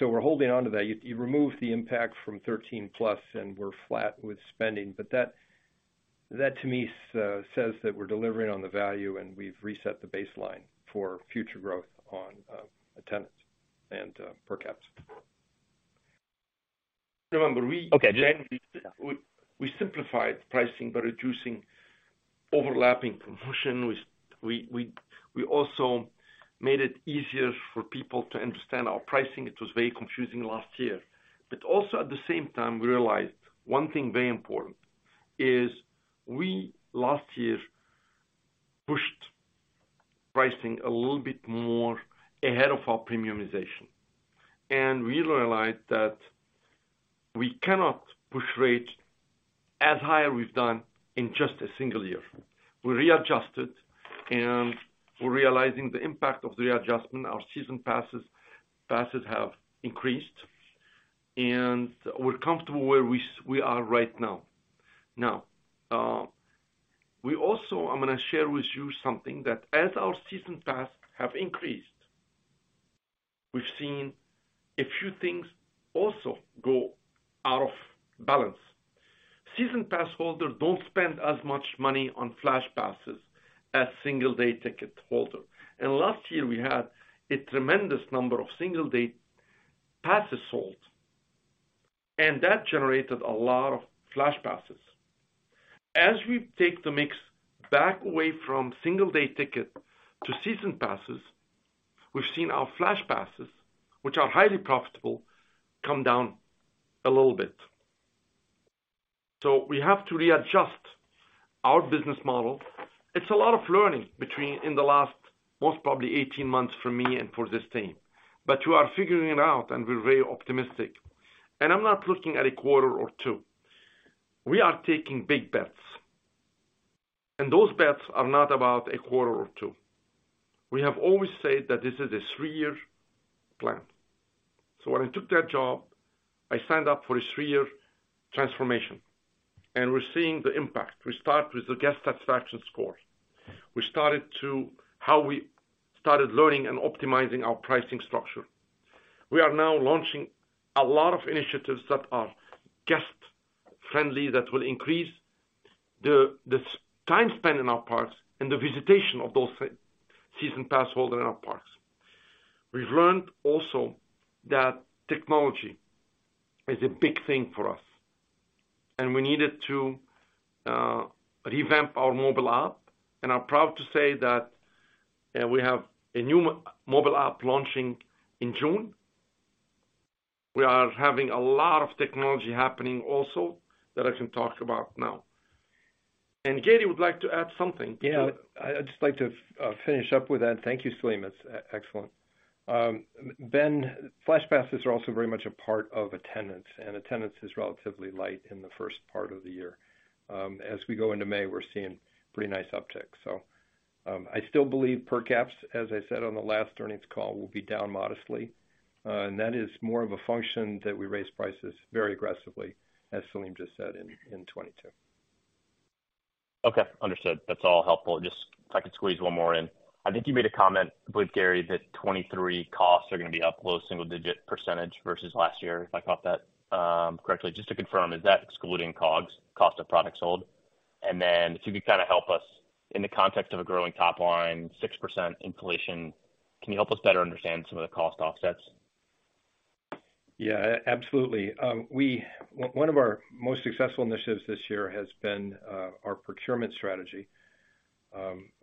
We're holding onto that. You remove the impact from 13+ and we're flat with spending. That to me says that we're delivering on the value and we've reset the baseline for future growth on attendance and per caps. Remember. Okay. January, we simplified pricing by reducing overlapping confusion. We also made it easier for people to understand our pricing. It was very confusing last year. Also at the same time, we realized one thing very important is we last year pushed pricing a little bit more ahead of our premiumization. We realized that we cannot push rates as high we've done in just a single year. We readjusted, and we're realizing the impact of the adjustment. Our Season Passes have increased, and we're comfortable where we are right now. We also... I'm gonna share with you something that as our Season Pass have increased, we've seen a few things also go out of balance. Season Pass holders don't spend as much money on Flash Passes as single-day ticket holder. Last year we had a tremendous number of single day passes sold, and that generated a lot of Flash Passes. As we take the mix back away from single day ticket to Season Passes, we've seen our Flash Passes, which are highly profitable, come down a little bit. We have to readjust our business model. It's a lot of learning in the last, most probably 18 months for me and for this team. We are figuring it out and we're very optimistic. I'm not looking at a quarter or two. We have always said that this is a three-year plan. When I took that job, I signed up for a three-year transformation, and we're seeing the impact. We start with the guest satisfaction score. We started to... How we started learning and optimizing our pricing structure. We are now launching a lot of initiatives that are guest friendly, that will increase the time spent in our parks and the visitation of those Season Pass holder in our parks. We've learned also that technology is a big thing for us, and we needed to revamp our mobile app. I'm proud to say that we have a new mobile app launching in June. We are having a lot of technology happening also that I can talk about now. Gary would like to add something to it. Yeah. I'd just like to finish up with that. Thank you, Selim. It's excellent. Ben, Flash Passes are also very much a part of attendance, and attendance is relatively light in the first part of the year. As we go into May, we're seeing pretty nice uptick. I still believe per caps, as I said on the last earnings call, will be down modestly. That is more of a function that we raise prices very aggressively, as Selim just said in 2022. Okay, understood. That's all helpful. Just if I could squeeze one more in. I think you made a comment, I believe, Gary, that 2023 costs are gonna be up low single-digit percentage versus last year, if I caught that correctly. Just to confirm, is that excluding COGS, cost of products sold? Then if you could kind of help us in the context of a growing top line, 6% inflation, can you help us better understand some of the cost offsets? Yeah, absolutely. One of our most successful initiatives this year has been our procurement strategy.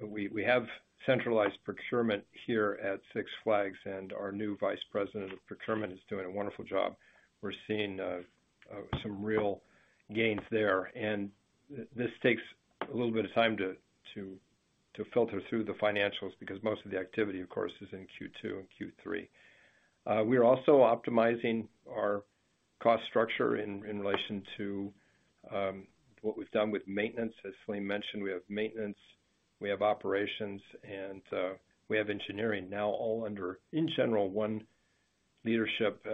We have centralized procurement here at Six Flags, and our new Vice President of procurement is doing a wonderful job. We're seeing some real gains there. This takes a little bit of time to filter through the financials because most of the activity, of course, is in Q2 and Q3. We are also optimizing our cost structure in relation to what we've done with maintenance. As Selim mentioned, we have maintenance, we have operations, and we have engineering now all under, in general, one leadership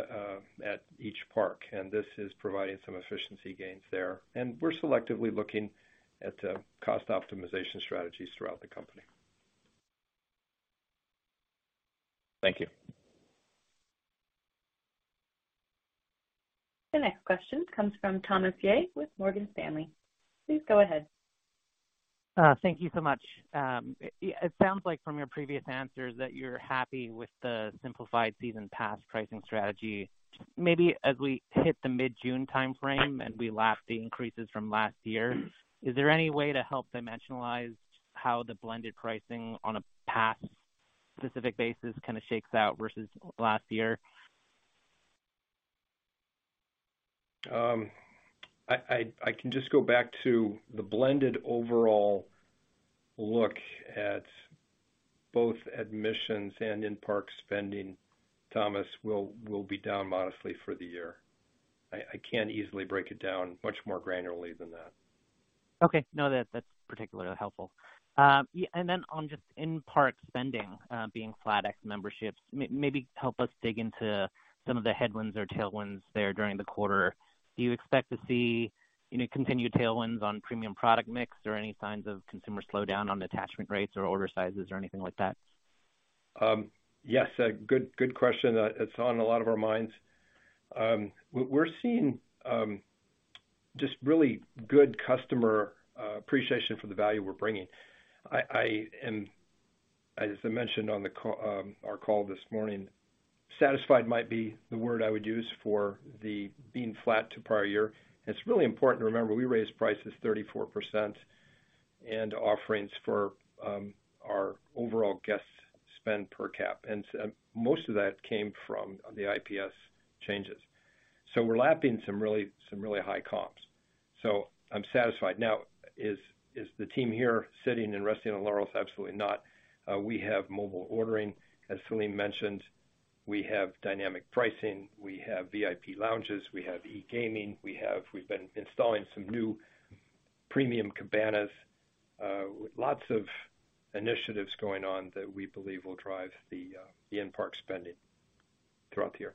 at each park. This is providing some efficiency gains there. We're selectively looking at cost optimization strategies throughout the company. Thank you. The next question comes from Thomas Yeh with Morgan Stanley. Please go ahead. Thank you so much. It sounds like from your previous answers that you're happy with the simplified Season Pass pricing strategy. Maybe as we hit the mid-June timeframe and we lap the increases from last year, is there any way to help dimensionalize how the blended pricing on a pass-specific basis kind of shakes out versus last year? I can just go back to the blended overall look at both admissions and in-park spending. Thomas, we'll be down modestly for the year. I can't easily break it down much more granularly than that. Okay. No, that's particularly helpful. Yeah, on just in-park spending, being flat ex memberships, maybe help us dig into some of the headwinds or tailwinds there during the quarter. Do you expect to see, you know, continued tailwinds on premium product mix or any signs of consumer slowdown on attachment rates or order sizes or anything like that? Yes, a good question. It's on a lot of our minds. We're seeing just really good customer appreciation for the value we're bringing. As I mentioned on our call this morning, satisfied might be the word I would use for the being flat to prior year. It's really important to remember we raised prices 34% and offerings for our overall guest spend per cap. Most of that came from the IPS changes. We're lapping some really high comps. I'm satisfied. Now, is the team here sitting and [resting on laurels]? Absolutely not. We have mobile ordering, as Selim mentioned. We have dynamic pricing, we have VIP lounges, we have e-gaming. We've been installing some new premium cabanas. Lots of initiatives going on that we believe will drive the in-park spending throughout the year.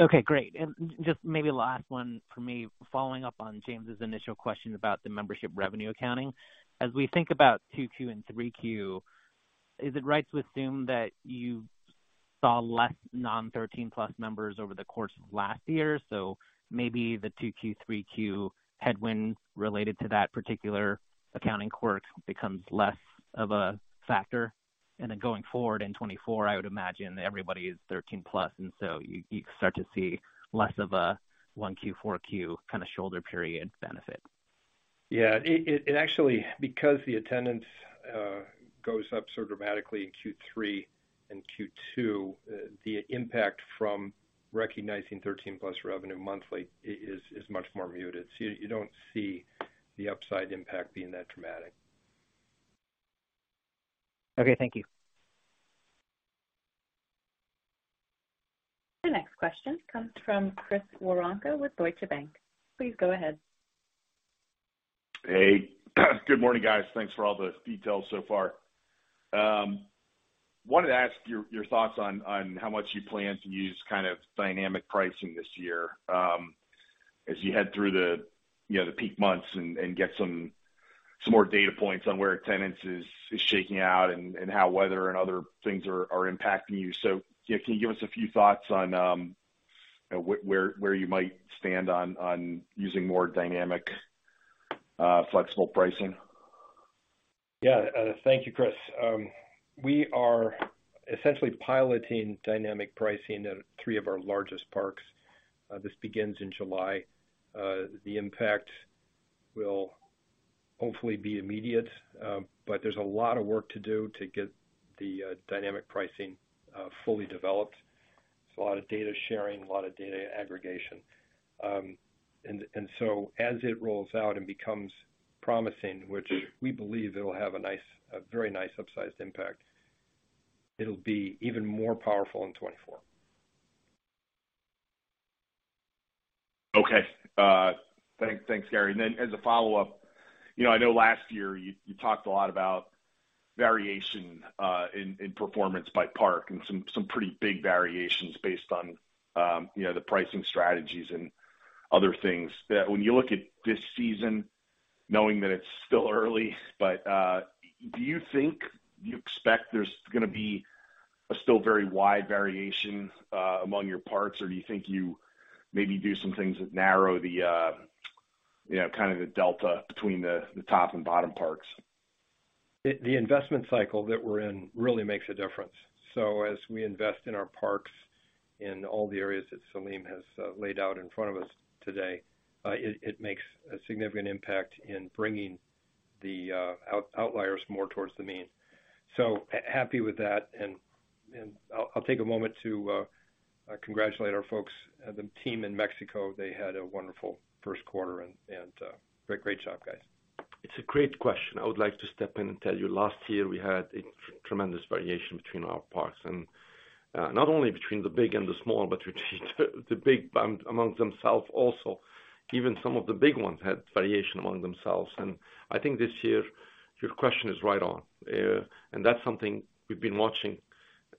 Okay, great. Just maybe last one for me. Following up on Jamie's initial question about the membership revenue accounting. As we think about 2Q and 3Q, is it right to assume that you saw less non-13+ members over the course of last year? Maybe the 2Q, 3Q headwind related to that particular accounting quirk becomes less of a factor? Going forward in 2024, I would imagine everybody is 13+, and so you start to see less of a 1Q, 4Q kind of shoulder period benefit. Yeah. It actually, because the attendance, goes up so dramatically in Q3 and Q2, the impact from recognizing 13+ revenue monthly is much more muted. You don't see the upside impact being that dramatic. Okay. Thank you. The next question comes from Chris Woronka with Deutsche Bank. Please go ahead. Good morning, guys. Thanks for all the details so far. wanted to ask your thoughts on how much you plan to use kind of dynamic pricing this year, as you head through the, you know, the peak months and get some more data points on where attendance is shaking out and how weather and other things are impacting you. Can you give us a few thoughts on, where you might stand on using more dynamic, flexible pricing? Yeah. Thank you, Chris. We are essentially piloting dynamic pricing at three of our largest parks. This begins in July. The impact will hopefully be immediate, there's a lot of work to do to get the dynamic pricing fully developed. It's a lot of data sharing, a lot of data aggregation. As it rolls out and becomes promising, which we believe it will have a nice, a very nice upsized impact, it'll be even more powerful in 2024. Okay. Thanks. Thanks, Gary. As a follow-up, you know, I know last year you talked a lot about variation in performance by park and some pretty big variations based on, you know, the pricing strategies and other things. When you look at this season knowing that it's still early, but do you think, do you expect there's gonna be a still very wide variation among your parks? Or do you think you maybe do some things that narrow the, you know, kind of the delta between the top and bottom parks? The investment cycle that we're in really makes a difference. As we invest in our parks in all the areas that Selim has laid out in front of us today, it makes a significant impact in bringing the outliers more towards the mean. Happy with that and I'll take a moment to congratulate our folks. The team in Mexico, they had a wonderful first quarter and great job, guys. It's a great question. I would like to step in and tell you last year we had a tremendous variation between our parks. Not only between the big and the small, but between the big among themselves also. Even some of the big ones had variation among themselves. I think this year, your question is right on. That's something we've been watching,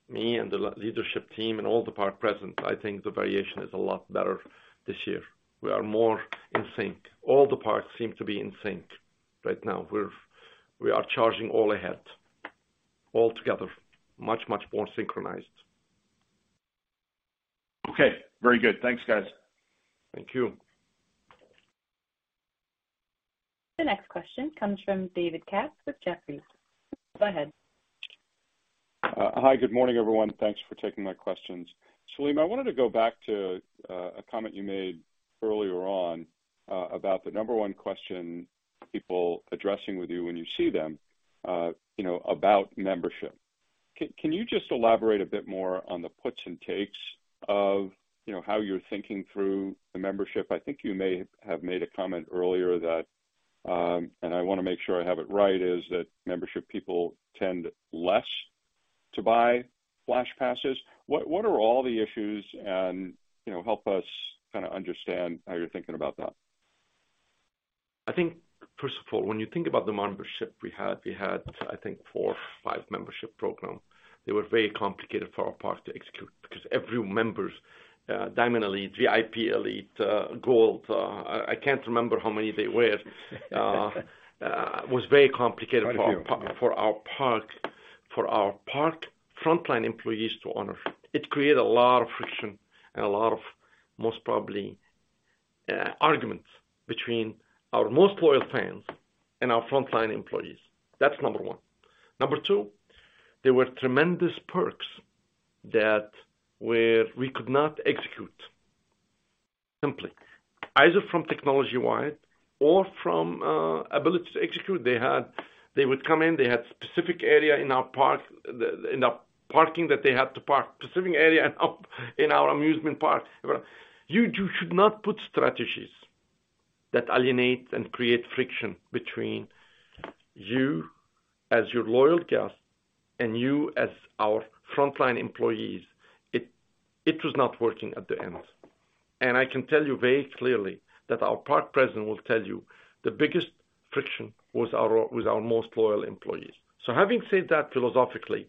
me and the leadership team and all the park presidents. I think the variation is a lot better this year. We are more in sync. All the parks seem to be in sync right now. We are charging all ahead, all together, much, much more synchronized. Okay, very good. Thanks, guys. Thank you. The next question comes from David Katz with Jefferies. Go ahead. Hi, good morning, everyone. Thanks for taking my questions. Selim, I wanted to go back to a comment you made earlier on about the number one question people addressing with you when you see them, you know, about membership. Can you just elaborate a bit more on the puts and takes of, you know, how you're thinking through the membership? I think you may have made a comment earlier that, and I wanna make sure I have it right, is that membership people tend less to buy Flash Passes. What are all the issues and, you know, help us kinda understand how you're thinking about that. I think, first of all, when you think about the membership we had, we had I think four or five membership program. They were very complicated for our park to execute because every members, Diamond Elite, VIP Elite, Gold, I can't remember how many they were. Was very complicated. Thank you. For our park frontline employees to honor. It created a lot of friction and a lot of most probably arguments between our most loyal fans and our frontline employees. That's number one. Number two, there were tremendous perks. We could not execute, simply. Either from technology-wide or from ability to execute. They would come in, they had specific area in our park, in the parking that they had to park, specific area up in our amusement park. You should not put strategies that alienate and create friction between you as your loyal guest and you as our frontline employees. It was not working at the end. I can tell you very clearly that our park president will tell you the biggest friction was with our most loyal employees. Having said that philosophically,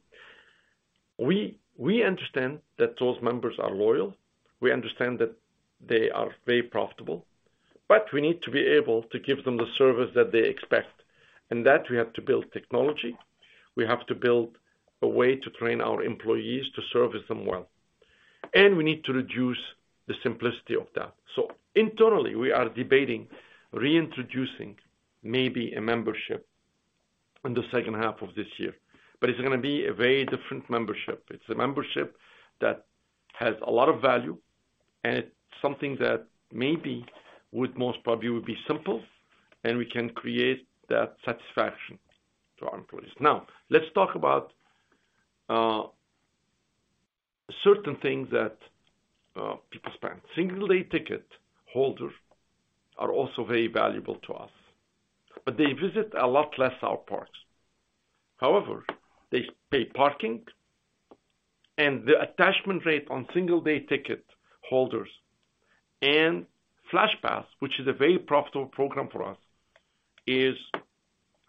we understand that those members are loyal. We understand that they are very profitable. We need to be able to give them the service that they expect, and that we have to build technology, we have to build a way to train our employees to service them well. We need to reduce the simplicity of that. Internally, we are debating reintroducing maybe a membership in the second half of this year, but it's gonna be a very different membership. It's a membership that has a lot of value, and it's something that maybe would most probably be simple, and we can create that satisfaction to our employees. Now, let's talk about certain things that people spend. Single-day ticket holder are also very valuable to us, but they visit a lot less our parks. However, they pay parking and the attachment rate on single-day ticket holders and Flash Pass, which is a very profitable program for us, is,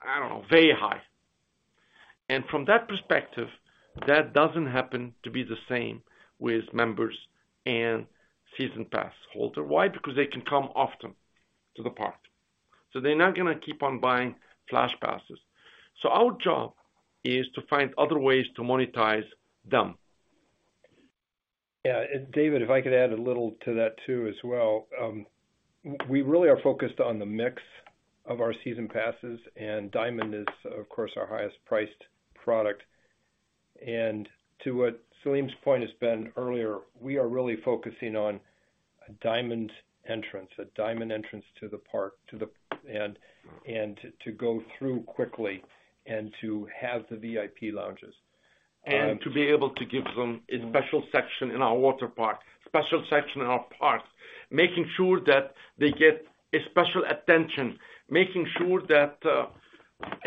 I don't know, very high. From that perspective, that doesn't happen to be the same with members and Season Pass holder. Why? Because they can come often to the park. They're not gonna keep on buying Flash Passes. Our job is to find other ways to monetize them. Yeah. David, if I could add a little to that too as well. We really are focused on the mix of our Season Passes, and Diamond is, of course, our highest priced product. To what Selim's point has been earlier, we are really focusing on a Diamond entrance, a Diamond entrance to the park, to go through quickly and to have the VIP lounges. To be able to give them a special section in our water park, special section in our parks, making sure that they get a special attention, making sure that.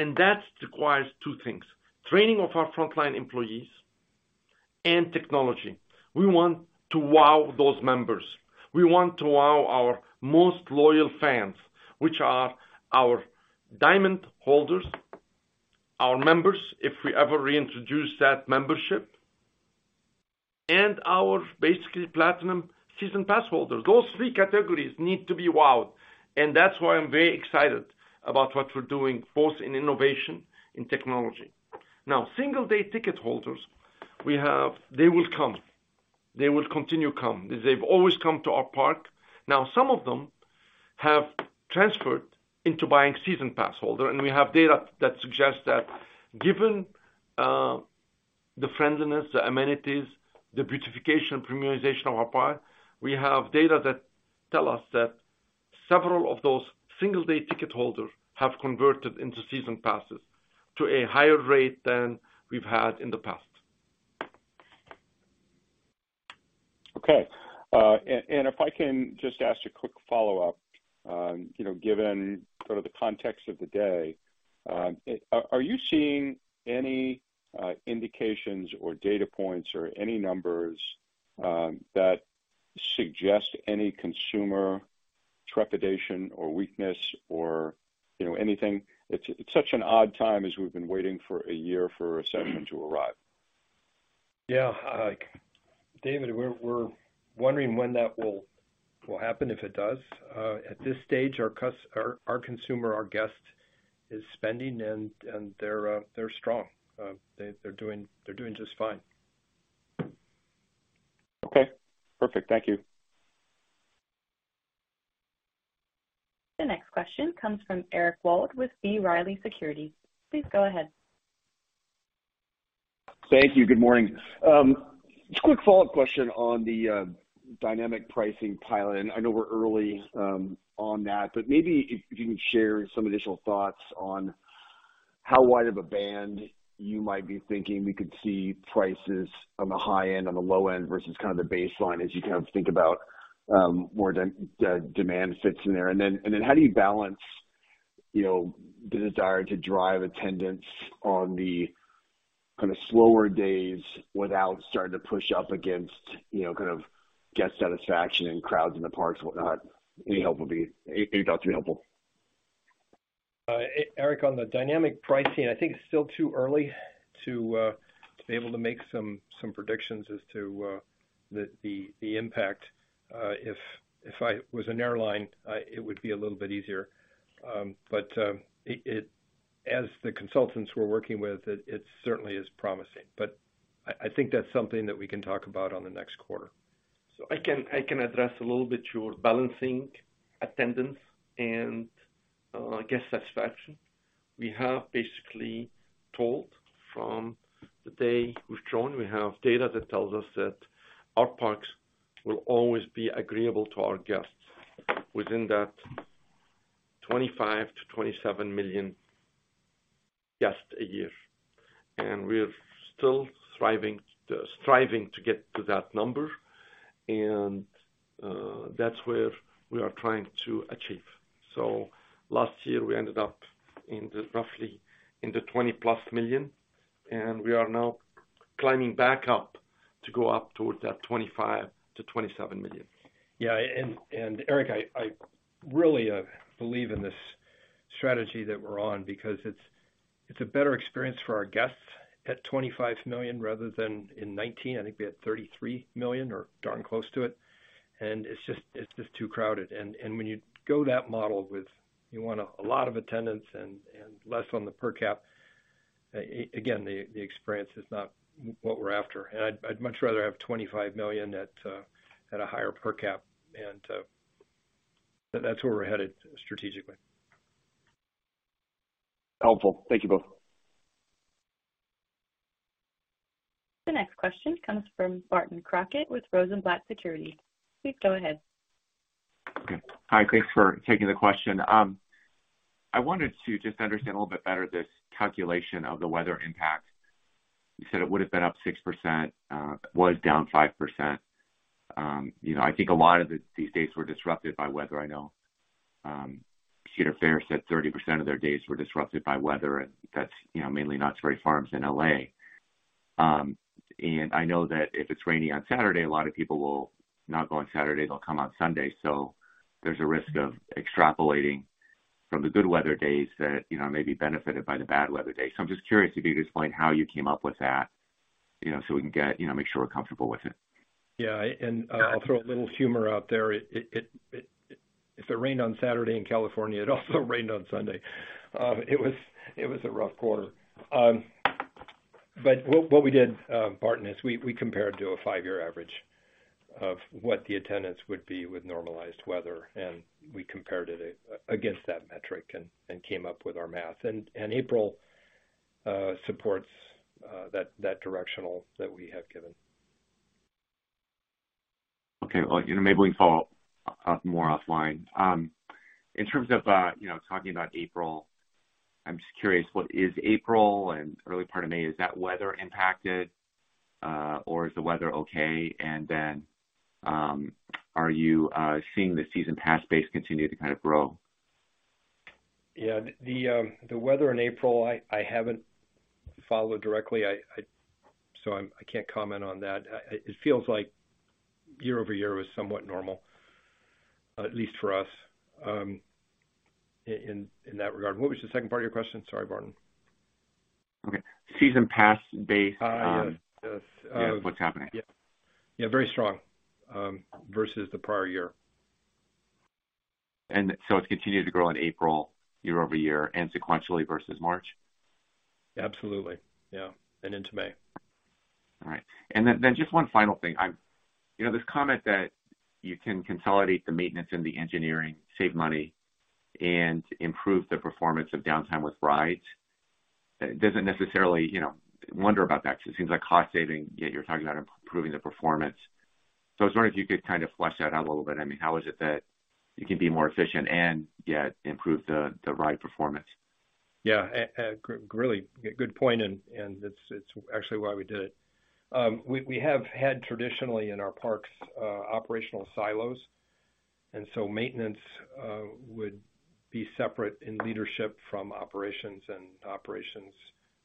That requires two things, training of our frontline employees and technology. We want to wow those members. We want to wow our most loyal fans, which are our Diamond holders, our members, if we ever reintroduce that membership, and our basically Platinum Season Pass holders. Those three categories need to be wowed, and that's why I'm very excited about what we're doing both in innovation, in technology. Single-day ticket holders we have, they will come. They will continue come. They've always come to our park. Some of them have transferred into buying Season Pass holder, and we have data that suggests that given the friendliness, the amenities, the beautification, premiumization of our park, we have data that tell us that several of those single-day ticket holders have converted into Season Passes to a higher rate than we've had in the past. Okay. If I can just ask a quick follow-up, you know, given sort of the context of the day, are you seeing any indications or data points or any numbers that suggest any consumer trepidation or weakness or, you know, anything? It's such an odd time as we've been waiting for a year for a settlement to arrive. Yeah. David, we're wondering when that will happen, if it does. At this stage, our consumer, our guest is spending, and they're strong. They're doing just fine. Okay. Perfect. Thank you. The next question comes from Eric Wold with B. Riley Securities. Please go ahead. Thank you. Good morning. Just quick follow-up question on the dynamic pricing pilot. I know we're early on that, but maybe if you can share some additional thoughts on how wide of a band you might be thinking we could see prices on the high end, on the low end, versus kind of the baseline as you kind of think about where the demand fits in there. Then how do you balance, you know, the desire to drive attendance on the kind of slower days without starting to push up against, you know, kind of guest satisfaction and crowds in the parks and whatnot? Any thoughts would be helpful. Eric, on the dynamic pricing, I think it's still too early to be able to make some predictions as to the impact. If I was an airline, it would be a little bit easier. As the consultants we're working with, it certainly is promising. I think that's something that we can talk about on the next quarter. I can address a little bit your balancing attendance and guest satisfaction. We have basically told from the day we've joined, we have data that tells us that our parks will always be agreeable to our guests within that 25 million-27 million guests a year. We're still striving to get to that number, and that's where we are trying to achieve. Last year, we ended up in the roughly in the 20+ million, and we are now climbing back up to go up towards that 25 million-27 million. Yeah. Eric, I really believe in this strategy that we're on because it's a better experience for our guests at $25 million rather than in 19 I think we had $33 million or darn close to it. It's just too crowded. When you go that model with you want a lot of attendance and less on the per cap, again, the experience is not what we're after. I'd much rather have $25 million at a higher per cap. That's where we're headed strategically. Helpful. Thank you both. The next question comes from Barton Crockett with Rosenblatt Securities. Please go ahead. Okay. Hi. Thanks for taking the question. I wanted to just understand a little bit better this calculation of the weather impact. You said it would have been up 6%, was down 5%. You know, I think a lot of it, these dates were disrupted by weather. I know, Cedar Fair said 30% of their days were disrupted by weather, and that's, you know, mainly Knott's Berry Farm in L.A. I know that if it's rainy on Saturday, a lot of people will not go on Saturday, they'll come on Sunday. There's a risk of extrapolating from the good weather days that, you know, may be benefited by the bad weather days. I'm just curious if you could explain how you came up with that, you know, so we can get, you know, make sure we're comfortable with it. Yeah. I'll throw a little humor out there. If it rained on Saturday in California, it also rained on Sunday. It was a rough quarter. What we did, Barton, is we compared to a five-year average of what the attendance would be with normalized weather, and we compared it against that metric and came up with our math. April supports that directional that we have given. Okay. Well, you know, maybe we can follow up more offline. In terms of, you know, talking about April, I'm just curious, what is April and early part of May, is that weather impacted, or is the weather okay? Are you seeing the Season Pass base continue to kind of grow? Yeah, the weather in April, I haven't followed directly. So I'm, I can't comment on that. It feels like year-over-year was somewhat normal, at least for us, in that regard. What was the second part of your question? Sorry, Barton. Okay. Season Pass based on- Yes. Yes. Yeah, what's happening? Yeah. Yeah, very strong versus the prior year. It's continued to grow in April, year-over-year and sequentially versus March? Absolutely. Yeah. Into May. All right. Then, just one final thing. you know, this comment that you can consolidate the maintenance and the engineering, save money, and improve the performance of downtime with rides, doesn't necessarily, you know, wonder about that because it seems like cost saving, yet you're talking about improving the performance. I was wondering if you could kind of flesh that out a little bit. I mean, how is it that you can be more efficient and yet improve the ride performance? Yeah. Really good point, and it's actually why we did it. We have had traditionally in our parks operational silos, and so maintenance would be separate in leadership from operations, and operations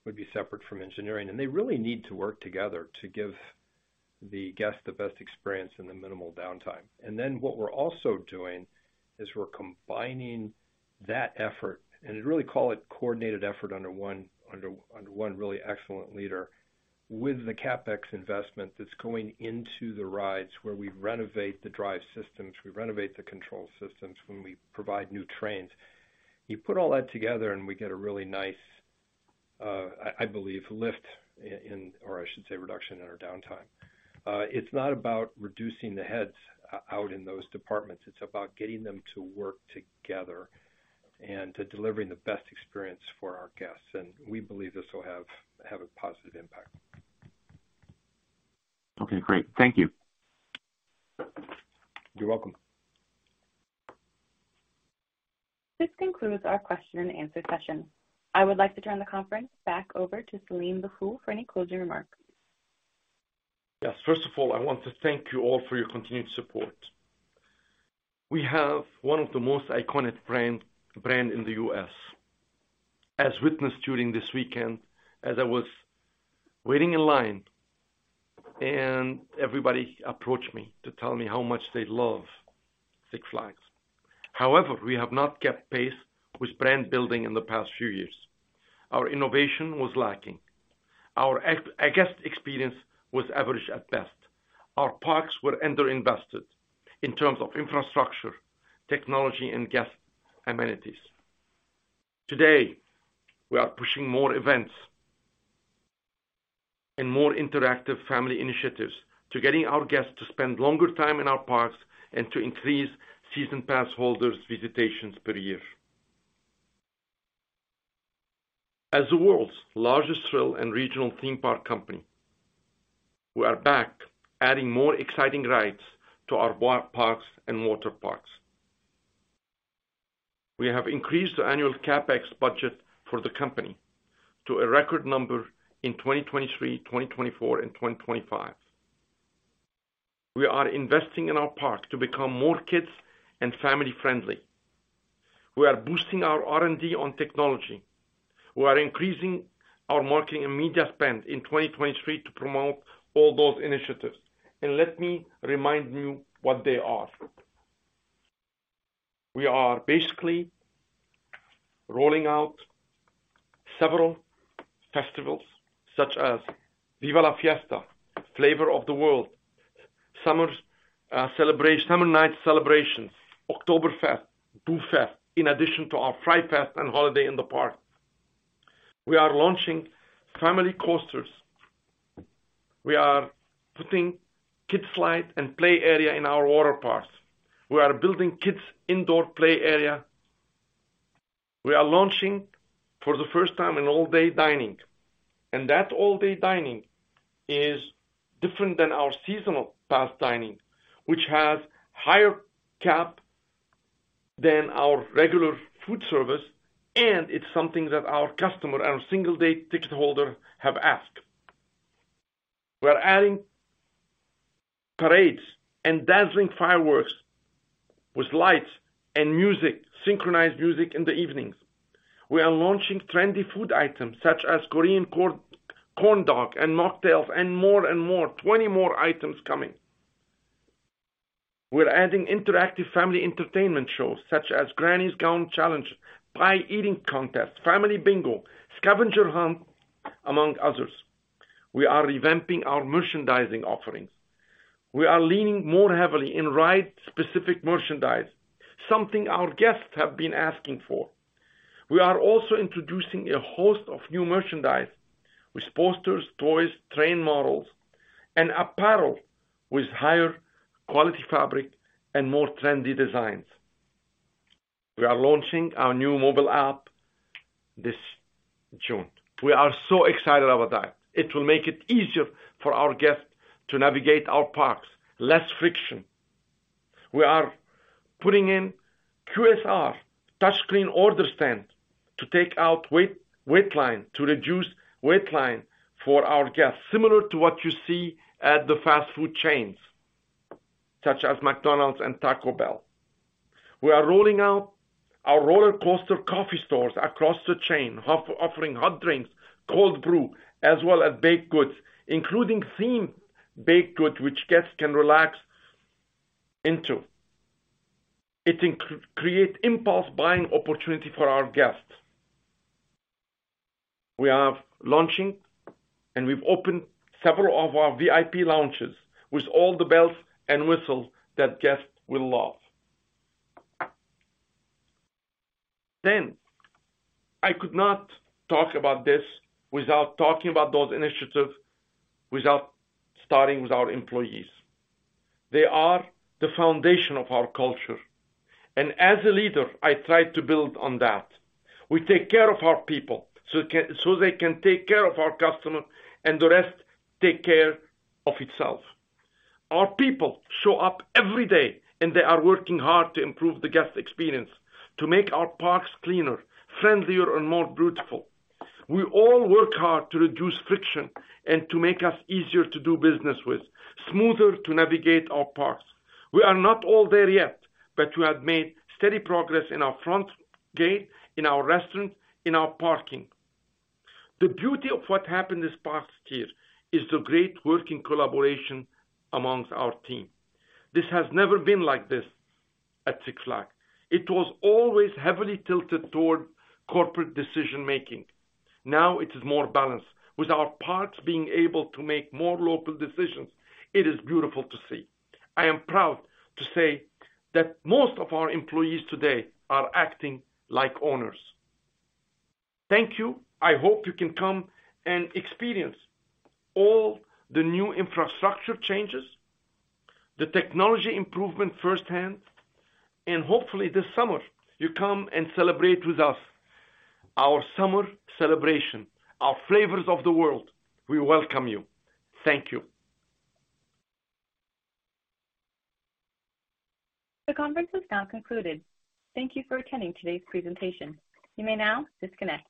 would be separate from engineering. They really need to work together to give the guest the best experience in the minimal downtime. Then what we're also doing is we're combining that effort, and I'd really call it coordinated effort under one really excellent leader with the CapEx investment that's going into the rides where we renovate the drive systems, we renovate the control systems, when we provide new trains. You put all that together, and we get a really nice, I believe, lift in or I should say, reduction in our downtime. It's not about reducing the heads out in those departments. It's about getting them to work together and to delivering the best experience for our guests. We believe this will have a positive impact. Okay, great. Thank you. You're welcome. This concludes our question and answer session. I would like to turn the conference back over to Selim Bassoul for any closing remarks. Yes. First of all, I want to thank you all for your continued support. We have one of the most iconic brand in the U.S., as witnessed during this weekend as I was waiting in line and everybody approached me to tell me how much they love Six Flags. We have not kept pace with brand building in the past few years. Our innovation was lacking. Our guest experience was average at best. Our parks were under-invested in terms of infrastructure, technology, and guest amenities. Today, we are pushing more events and more interactive family initiatives to getting our guests to spend longer time in our parks and to increase Season Pass holders' visitations per year. As the world's largest thrill and regional theme park company, we are back adding more exciting rides to our parks and water parks. We have increased the annual CapEx budget for the company to a record number in 2023, 2024, and 2025. We are investing in our park to become more kids and family friendly. We are boosting our R&D on technology. We are increasing our marketing and media spend in 2023 to promote all those initiatives, and let me remind you what they are. We are basically rolling out several festivals such as Viva La Fiesta, Flavors of the World, Summer Night Celebrations, Oktoberfest, Boo Fest, in addition to our Fright Fest and Holiday in the Park. We are launching family coasters. We are putting kids slide and play area in our water parks. We are building kids indoor play area. We are launching for the first time an all-day dining. That all-day dining is different than our seasonal pass dining, which has higher cap than our regular food service. It's something that our customer and single-day ticketholder have asked. We're adding parades and dazzling fireworks with lights and music, synchronized music in the evenings. We are launching trendy food items such as Korean Corn Dogs and mocktails and more. 20 more items coming. We're adding interactive family entertainment shows such as Granny's Garden Challenge, Pie Eating Contest, Family Bingo, Scavenger Hunt, among others. We are revamping our merchandising offerings. We are leaning more heavily in ride-specific merchandise, something our guests have been asking for. We are also introducing a host of new merchandise with posters, toys, train models, and apparel with higher quality fabric and more trendy designs. We are launching our new mobile app this June. We are so excited about that. It will make it easier for our guests to navigate our parks, less friction. We are putting in QSR touchscreen order stand to take out wait line, to reduce wait line for our guests, similar to what you see at the fast food chains. Such as McDonald's and Taco Bell. We are rolling out our Roller Coaster Coffee stores across the chain, offering hot drinks, cold brew, as well as baked goods, including themed baked goods, which guests can relax into. It create impulse buying opportunity for our guests. We are launching, and we've opened several of our VIP lounges with all the bells and whistles that guests will love. I could not talk about this without talking about those initiatives, without starting with our employees. They are the foundation of our culture. As a leader, I try to build on that. We take care of our people so they can take care of our customers, and the rest take care of itself. Our people show up every day, they are working hard to improve the guest experience, to make our parks cleaner, friendlier, and more beautiful. We all work hard to reduce friction and to make us easier to do business with, smoother to navigate our parks. We are not all there yet, we have made steady progress in our front gate, in our restaurants, in our parking. The beauty of what happened this past year is the great working collaboration amongst our team. This has never been like this at Six Flags. It was always heavily tilted toward corporate decision-making. Now it is more balanced. With our parks being able to make more local decisions, it is beautiful to see. I am proud to say that most of our employees today are acting like owners. Thank you. I hope you can come and experience all the new infrastructure changes, the technology improvement firsthand, and hopefully this summer you come and celebrate with us our summer celebration, our Flavors of the World. We welcome you. Thank you. The conference is now concluded. Thank you for attending today's presentation. You may now disconnect.